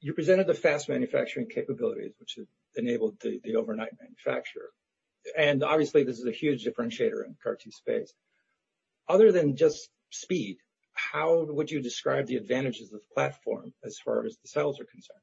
you presented the FasTCAR manufacturing capabilities, which has enabled the overnight manufacture. Obviously, this is a huge differentiator in the CAR-T space. Other than just speed, how would you describe the advantages of the platform as far as the cells are concerned?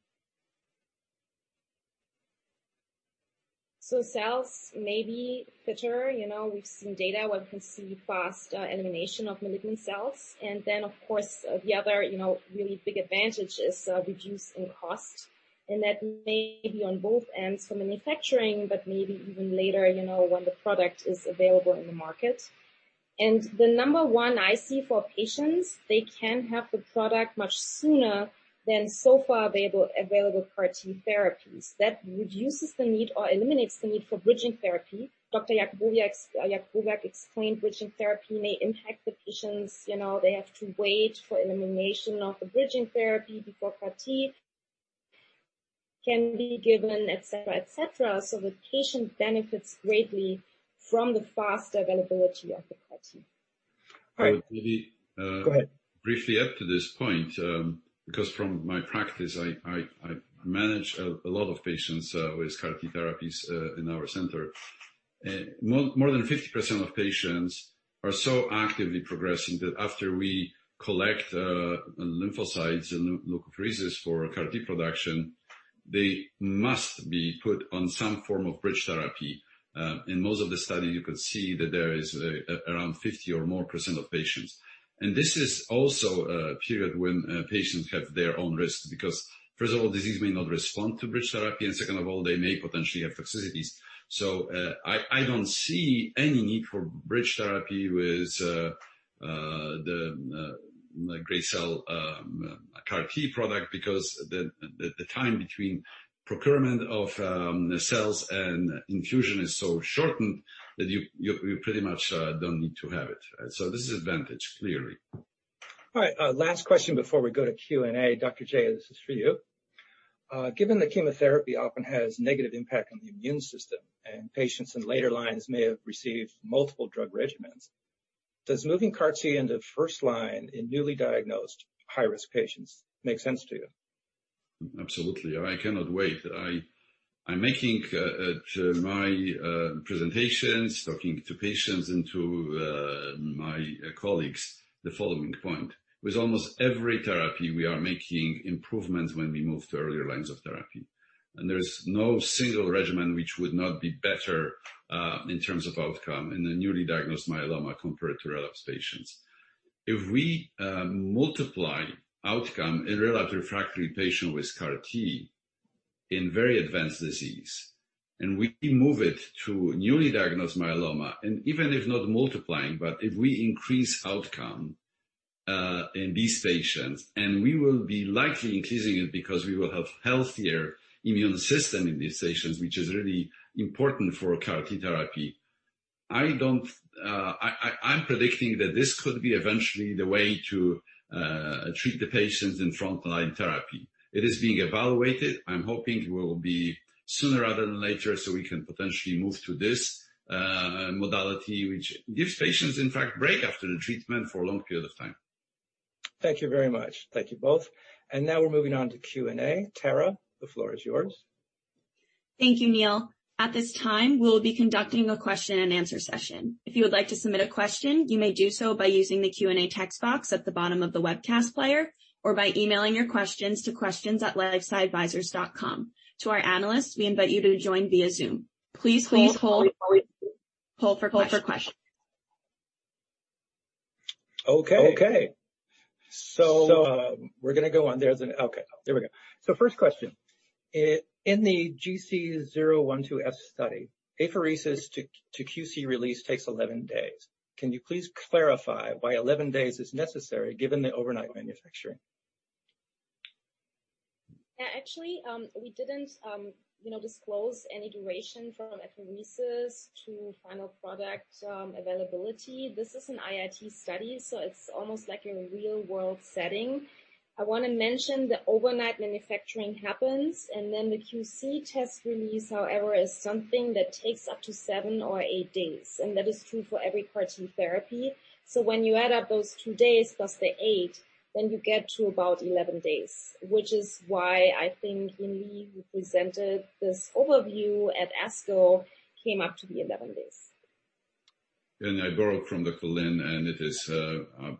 Cells may be fitter. We've seen data where we see faster elimination of malignant cells. Of course, the other really big advantage is a reduce in cost, and that may be on both ends for manufacturing, but maybe even later when the product is available in the market. The number one I see for patients, they can have the product much sooner than so far available CAR-T therapies. That reduces the need or eliminates the need for bridging therapy. Dr. Jakubowiak explained bridging therapy may impact the patients. They have to wait for elimination of the bridging therapy before CAR-T can be given, etc. The patient benefits greatly from the fast availability of the CAR-T. I really. Go ahead. briefly add to this point, because from my practice, I manage a lot of patients with CAR-T therapies in our center. More than 50% of patients are so actively progressing that after we collect lymphocytes and leukapheresis for our CAR-T production, they must be put on some form of bridge therapy. In most of the study, you could see that there is around 50% or more of patients. This is also a period when patients have their own risks, because first of all, disease may not respond to bridge therapy, and second of all, they may potentially have toxicities. I don't see any need for bridge therapy with the Gracell CAR-T product because the time between procurement of the cells and infusion is so shortened that you pretty much don't need to have it this is an advantage, clearly. All right. Last question before we go to Q&A. Dr. J, this is for you. Given that chemotherapy often has a negative impact on the immune system, and patients in later lines may have received multiple drug regimens, does moving CAR-T into first line in newly diagnosed high-risk patients make sense to you? Absolutely. I cannot wait. I'm making my presentations, talking to patients and to my colleagues the following point. With almost every therapy, we are making improvements when we move to earlier lines of therapy. There's no single regimen which would not be better in terms of outcome in a newly diagnosed myeloma compared to relapsed patients. If we multiply outcome in relapsed refractory patient with CAR-T in very advanced disease, we move it to newly diagnosed myeloma, even if not multiplying, but if we increase outcome in these patients, we will be likely increasing it because we will have healthier immune system in these patients, which is really important for a CAR-T therapy. I'm predicting that this could be eventually the way to treat the patients in frontline therapy. It is being evaluated. I'm hoping it will be sooner rather than later so we can potentially move to this modality, which gives patients, in fact, a break after the treatment for a long period of time. Thank you very much. Thank you both. Now we're moving on to Q&A. Tara, the floor is yours. Thank you, Neil. At this time, we'll be conducting a question and answer session. If you would like to submit a question, you may do so by using the Q&A text box at the bottom of the webcast player or by emailing your questions to questions@lifesciadvisors.com. To our analysts, we invite you to join via Zoom. Poll for questions. Poll for questions. Okay. We're going to go on. Okay, there we go. First question. In the GC012F study, apheresis to QC release takes 11 days. Can you please clarify why 11 days is necessary given the overnight manufacturing? Actually, we didn't disclose any duration from apheresis to final product availability. This is an IIT study, so it's almost like a real-world setting. I want to mention that overnight manufacturing happens, and then the QC test release, however, is something that takes up to seven or eight days, and that is true for every CAR-T therapy. So when you add up those two days plus the eight, then you get to about 11 days, which is why I think when we presented this overview at ASCO, came up to be 11 days. I borrowed from Dr. Lin, and it is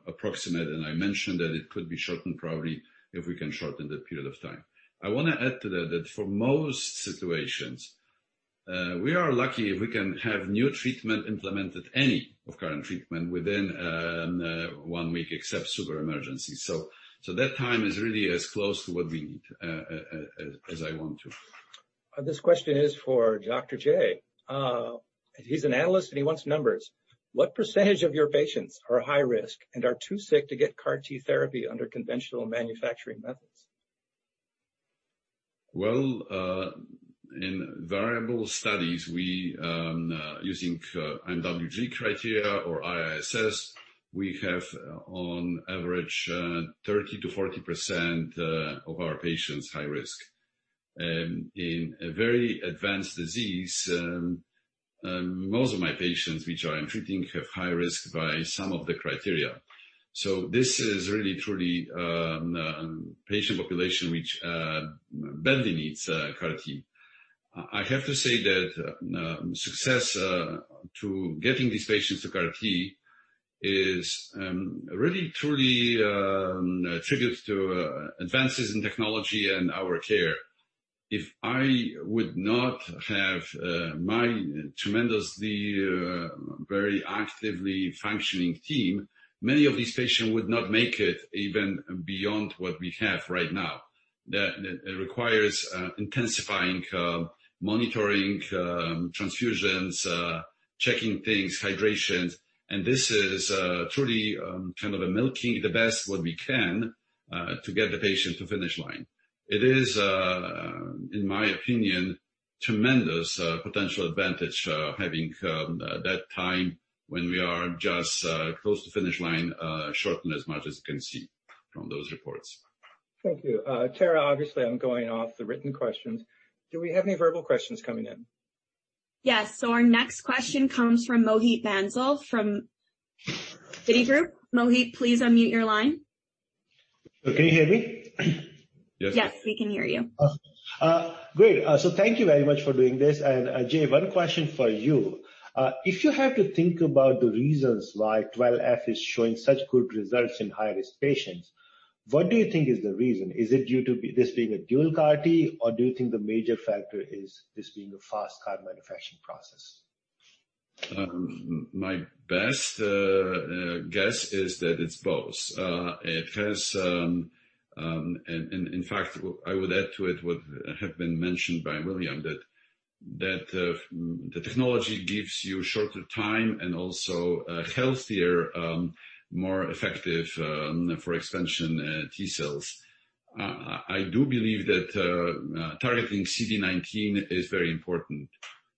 approximate, and I mentioned that it could be shortened probably if we can shorten the period of time. I want to add to that for most situations, we are lucky if we can have new treatment implemented, any of current treatment within one week except super emergency. That time is really as close to what we need as I want to. This question is for Dr. Jakubowiak. He's an analyst, and he wants numbers. What percentage of your patients are high risk and are too sick to get CAR-T therapy under conventional manufacturing methods? Well, in variable studies, using IMWG criteria or ISS, we have on average 30%-40% of our patients high risk. In a very advanced disease, most of my patients which I am treating have high risk by some of the criteria. This is really, truly patient population which badly needs CAR-T. I have to say that success to getting these patients to CAR-T is really, truly attributed to advances in technology and our care. If I would not have my tremendously, very actively functioning team, many of these patients would not make it even beyond what we have right now. That requires intensifying, monitoring, transfusions, checking things, hydrations. This is truly kind of the milking the best way we can to get the patient to the finish line. It is, in my opinion tremendous potential advantage having that time when we are just close to finish line, shortened as much as we can see from those reports. Thank you. Tara, obviously, I'm going off the written questions. Do we have any verbal questions coming in? Yes. Our next question comes from Mohit Bansal from Citigroup. Mohit, please unmute your line. Can you hear me? Yes. Yes, we can hear you. Great. Thank you very much for doing this. J, one question for you. If you had to think about the reasons why GC012F is showing such good results in high-risk patients, what do you think is the reason? Is it due to this being a Dual CAR-T, or do you think the major factor is this being a FasTCAR manufacturing process? My best guess is that it's both. In fact, I would add to it what have been mentioned by William, that the technology gives you shorter time and also healthier, more effective for expansion T-cells. I do believe that targeting CD19 is very important.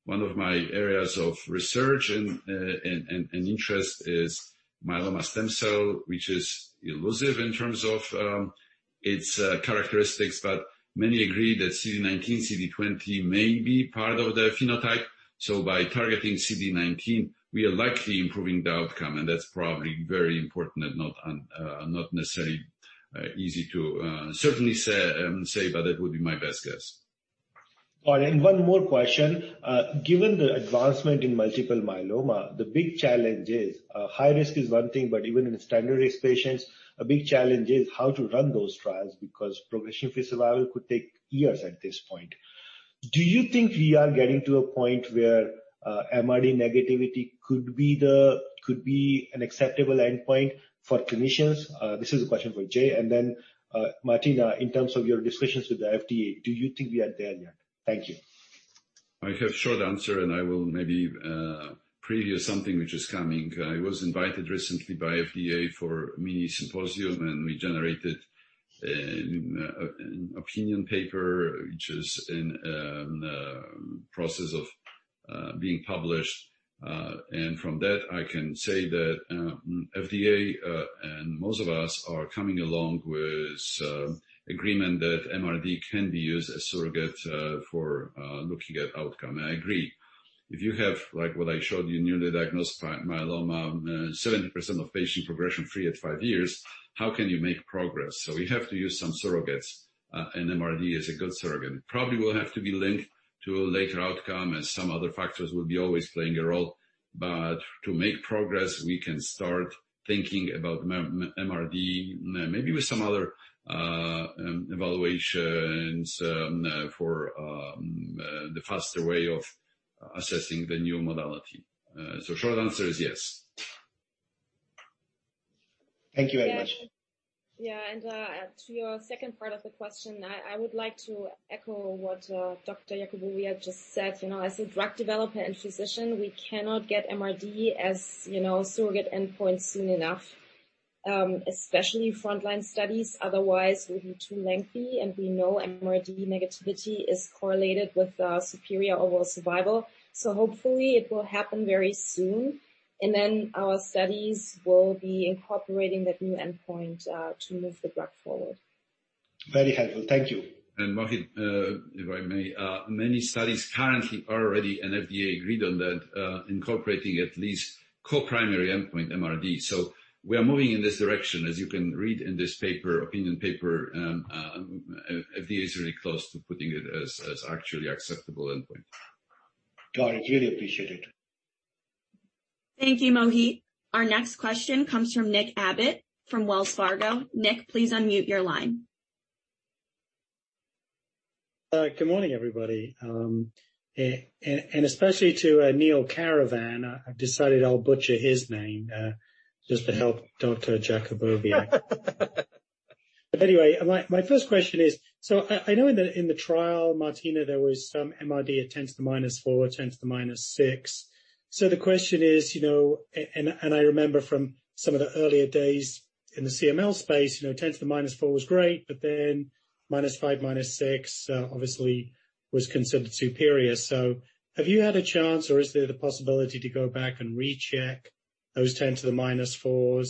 One of my areas of research and interest is myeloma stem cell, which is elusive in terms of its characteristics, but many agree that CD19, CD20 may be part of their phenotype. By targeting CD19, we are likely improving the outcome, and that's probably very important and not necessarily easy to certainly say, but that would be my best guess. All in. One more question. Given the advancement in multiple myeloma, the big challenge is, high risk is one thing, but even in standard-risk patients, a big challenge is how to run those trials because progression-free survival could take years at this point. Do you think we are getting to a point where MRD negativity could be an acceptable endpoint for clinicians? This is a question for J. Then, Martina, in terms of your discussions with the FDA, do you think we are there yet? Thank you. I have short answer, and I will maybe preview something which is coming. I was invited recently by FDA for a mini symposium, and we generated an opinion paper, which is in process of being published. From that, I can say that FDA and most of us are coming along with agreement that MRD can be used as surrogate for looking at outcome. I agree. If you have, like what I showed you, newly diagnosed myeloma, 70% of patient progression free at 5 years, how can you make progress? We have to use some surrogates, and MRD is a good surrogate. Probably will have to be linked to a later outcome, and some other factors will be always playing a role. To make progress, we can start thinking about MRD, maybe with some other evaluations for the faster way of assessing the new modality. Short answer is yes. Thank you very much. Yeah. To your second part of the question, I would like to echo what Dr. Jakubowiak just said. As a drug developer and physician, we cannot get MRD as surrogate endpoint soon enough, especially frontline studies. Otherwise, it will be too lengthy, and we know MRD negativity is correlated with superior overall survival. Hopefully, it will happen very soon, and then our studies will be incorporating that new endpoint to move the drug forward. Very helpful. Thank you. Mohit, if I may, many studies currently are already, and FDA agreed on that, incorporating at least co-primary endpoint MRD. We are moving in this direction. As you can read in this opinion paper, FDA is really close to putting it as actually acceptable endpoint. Got it. Really appreciate it. Thank you, Mohit. Our next question comes from Nick Abbott from Wells Fargo. Nick, please unmute your line. Good morning, everybody. Especially to Neil Canavan, I've decided I'll butcher his name just to help Dr. Jakubowiak. My first question is, I know that in the trial, Martina, there was some MRD at 10 minus four, 10 minus six. I remember from some of the earlier days in the CML space, 10 minus four was great, minus five minus six, obviously was considered superior. Have you had a chance or is there the possibility to go back and recheck those 10 minus four,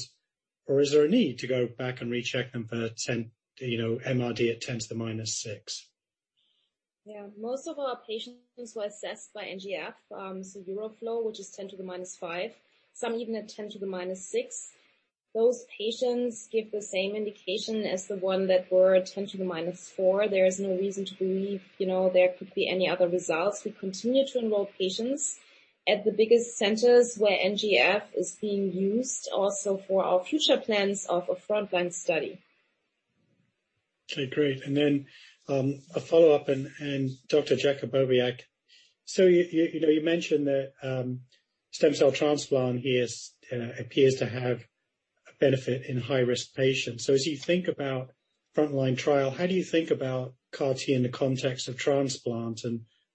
or is there a need to go back and recheck them for MRD at 10 minus six? Yeah. Most of our patients were assessed by NGF, so EuroFlow, which is 10 to the minus five, some even at 10 to the minus six. Those patients give the same indication as the one that were 10 to the minus four. There is no reason to believe there could be any other results. We continue to enroll patients at the biggest centers where NGF is being used also for our future plans of a frontline study. Okay, great. A follow-up, Dr. Jakubowiak, you mentioned that stem cell transplant appears to have a benefit in high-risk patients. As you think about frontline trial, how do you think about CAR-T in the context of transplants?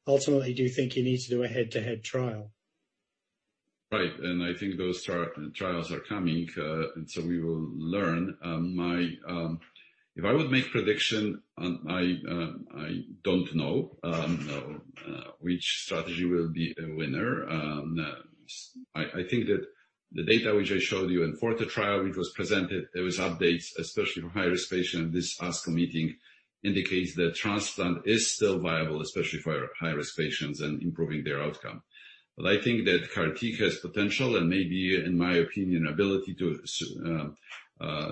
Ultimately, do you think you need to do a head-to-head trial? Right. I think those trials are coming, and so we will learn. If I would make prediction, I don't know which strategy will be a winner. I think that the data which I showed you in FORTE trial, which was presented, there was updates, especially for high-risk patient. This ASCO meeting indicates that transplant is still viable, especially for high-risk patients and improving their outcome. I think that CAR-T has potential and maybe, in my opinion, ability to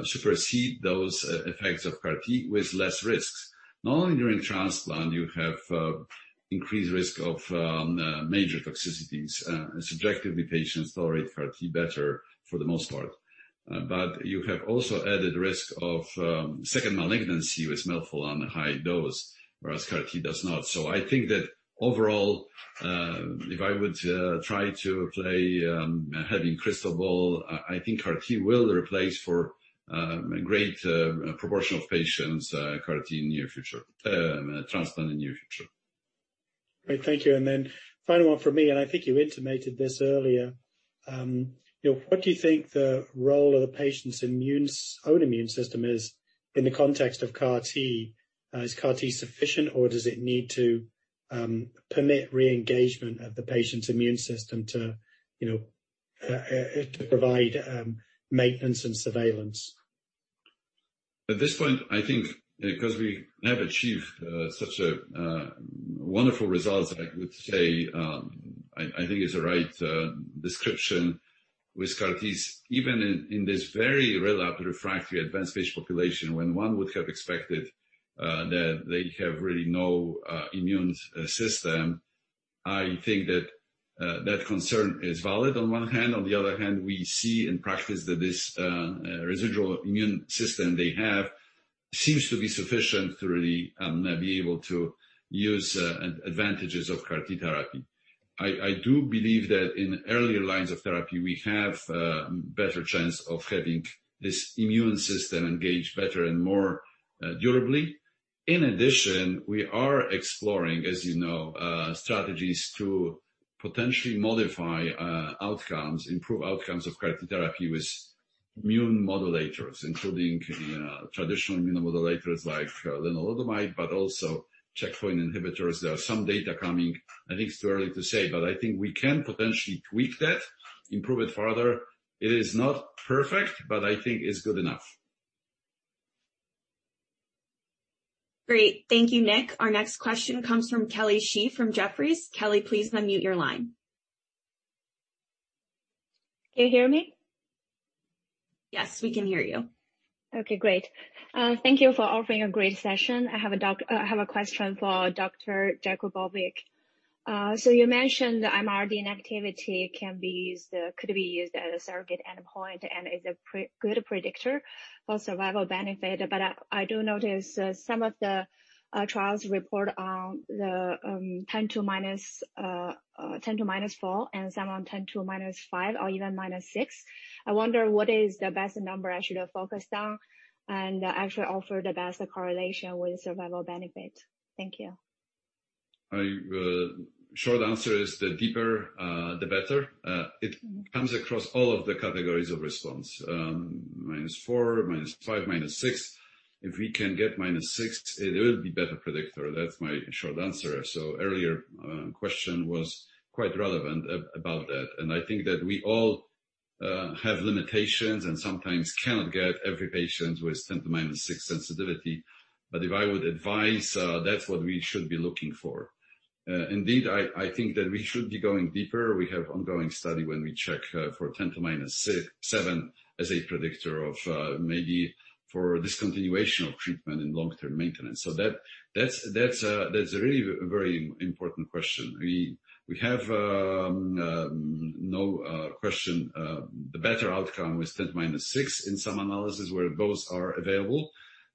supersede those effects of CAR-T with less risks. Normally, during transplant, you have increased risk of major toxicities, and subjectively, patients tolerate CAR-T better for the most part. You have also added risk of second malignancy with melphalan high dose, whereas CAR-T does not. I think that overall, if I would try to play the crystal ball, I think CAR-T will replace for a great proportion of patients, transplant in the near future. Great. Thank you. Final one from me, I think you intimated this earlier. What do you think the role of patient's own immune system is in the context of CAR-T? Is CAR-T sufficient, or does it need to permit re-engagement of the patient's immune system to provide maintenance and surveillance? At this point, I think because we have achieved such a wonderful result, I would say, I think it's the right description with CAR-T. Even in this very relapsed/refractory advanced patient population, when one would have expected that they have really no immune system, I think that concern is valid on one hand. On the other hand, we see in practice that this residual immune system they have seems to be sufficient to really be able to use advantages of CAR-T therapy. I do believe that in earlier lines of therapy, we have a better chance of having this immune system engaged better and more durably. In addition, we are exploring, as you know, strategies to potentially modify outcomes, improve outcomes of CAR T therapy with immune modulators, including traditional immune modulators like lenalidomide, but also checkpoint inhibitors. There are some data coming. I think it's too early to say, but I think we can potentially tweak that, improve it further. It is not perfect, but I think it's good enough. Great. Thank you, Nick. Our next question comes from Kelly Shi from Jefferies. Kelly, please unmute your line. Can you hear me? Yes, we can hear you. Okay, great. Thank you for offering a great session. I have a question for Dr. Jakubowiak. You mentioned the MRD negativity could be used as a surrogate endpoint and is a good predictor for survival benefit. I do notice some of the trials report on the 10 to minus four and some on 10 to minus five or even 10 to minus six. I wonder what is the best number I should have focused on and actually offer the best correlation with survival benefit. Thank you. Short answer is the deeper, the better. It comes across all of the categories of response, minus four, minus five, minus six. If we can get minus sisix, it will be better predictor. That's my short answer. Earlier question was quite relevant about that. I think that we all have limitations and sometimes cannot get every patient with 10 to minus 6 sensitivity. If I would advise, that's what we should be looking for. Indeed, I think that we should be going deeper. We have ongoing study when we check for 10 to minus seven as a predictor of maybe for discontinuation of treatment in long-term maintenance. That's a really very important question. We have no question the better outcome with 10 to minus six in some analysis where both are available.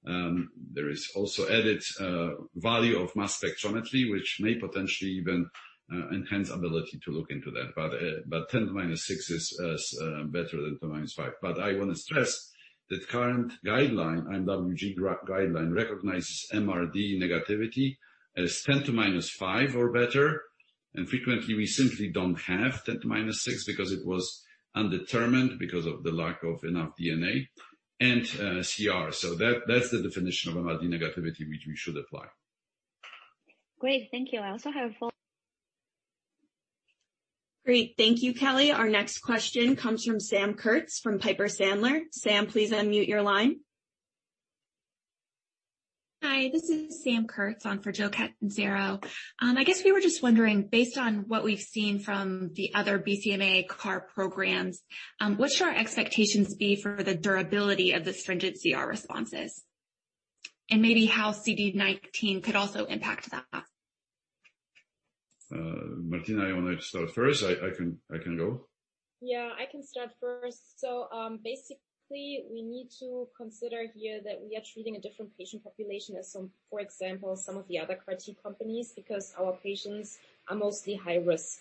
There is also added value of mass spectrometry, which may potentially even enhance ability to look into that. 10 to minus six is better than 10 to minus five. I want to stress that current guideline, IMWG guideline, recognizes MRD negativity as 10 to minus five or better, and frequently we simply don't have 10 to minus five because it was undetermined because of the lack of enough DNA and CR. That's the definition of MRD negativity, which we should apply. Great. Thank you. Great. Thank you, Kelly. Our next question comes from Sam Kurtz from Piper Sandler. Sam, please unmute your line. Hi, this is Sam Kurtz on for Joseph Catanzaro. I guess we were just wondering, based on what we've seen from the other BCMA CAR programs, what should our expectations be for the durability of the stringent CR responses? Maybe how CD19 could also impact that. Martina, you want to start first? I can go. I can start first. Basically, we need to consider here that we are treating a different patient population as, for example, some of the other CAR-T companies, because our patients are mostly high risk.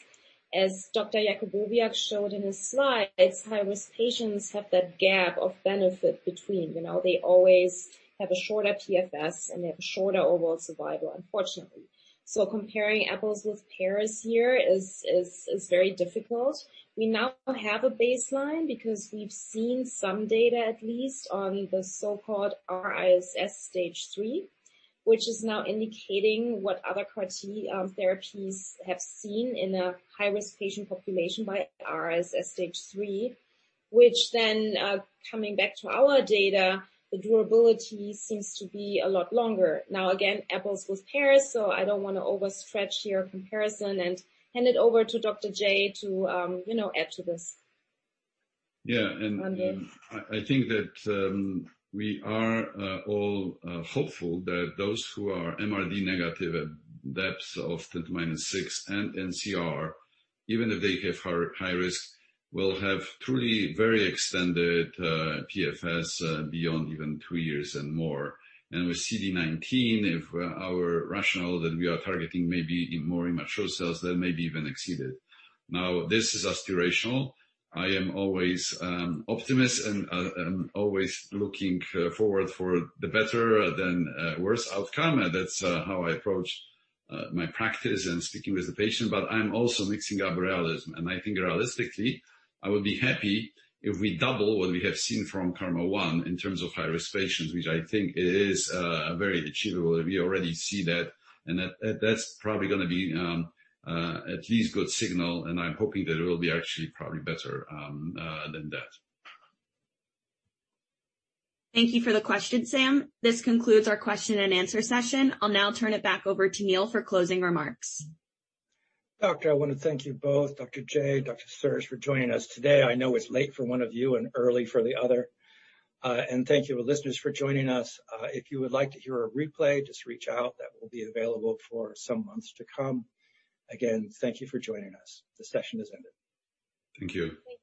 As Dr. Jakubowiak showed in his slide, high-risk patients have that gap of benefit between, they always have a shorter PFS and they have shorter overall survival, unfortunately. Comparing apples with pears here is very difficult. We now have a baseline because we've seen some data, at least on the so-called R-ISS stage 3. Which is now indicating what other CAR T therapies have seen in a high-risk patient population by R-ISS stage 3, which then coming back to our data, the durability seems to be a lot longer. Now, again, apples with pears. I don't want to overstretch here comparison and hand it over to Dr. J to add to this. Yeah. I think that we are all hopeful that those who are MRD negative at depths of that minus six and sCR, even if they have high risk, will have truly very extended PFS beyond even three years and more. With CD19, if our rationale that we are targeting maybe more immature cells, that may be even exceeded. Now, this is aspirational. I am always optimist and always looking forward for the better than worse outcome. That's how I approach my practice and speaking with the patient. I'm also mixing up realism, and I think realistically I would be happy if we double what we have seen from KarMMa-1 in terms of high-risk patients, which I think is very achievable. We already see that, and that's probably going to be at least good signal, and I'm hoping that it will be actually probably better than that. Thank you for the question, Sam. This concludes our question and answer session. I'll now turn it back over to Neil for closing remarks. Doctor, I want to thank you both, Dr. Jakubowiak, Dr. Sersch, for joining us today. I know it's late for one of you and early for the other. Thank you listeners for joining us. If you would like to hear a replay, just reach out. That will be available for some months to come. Again, thank you for joining us. This session has ended. Thank you.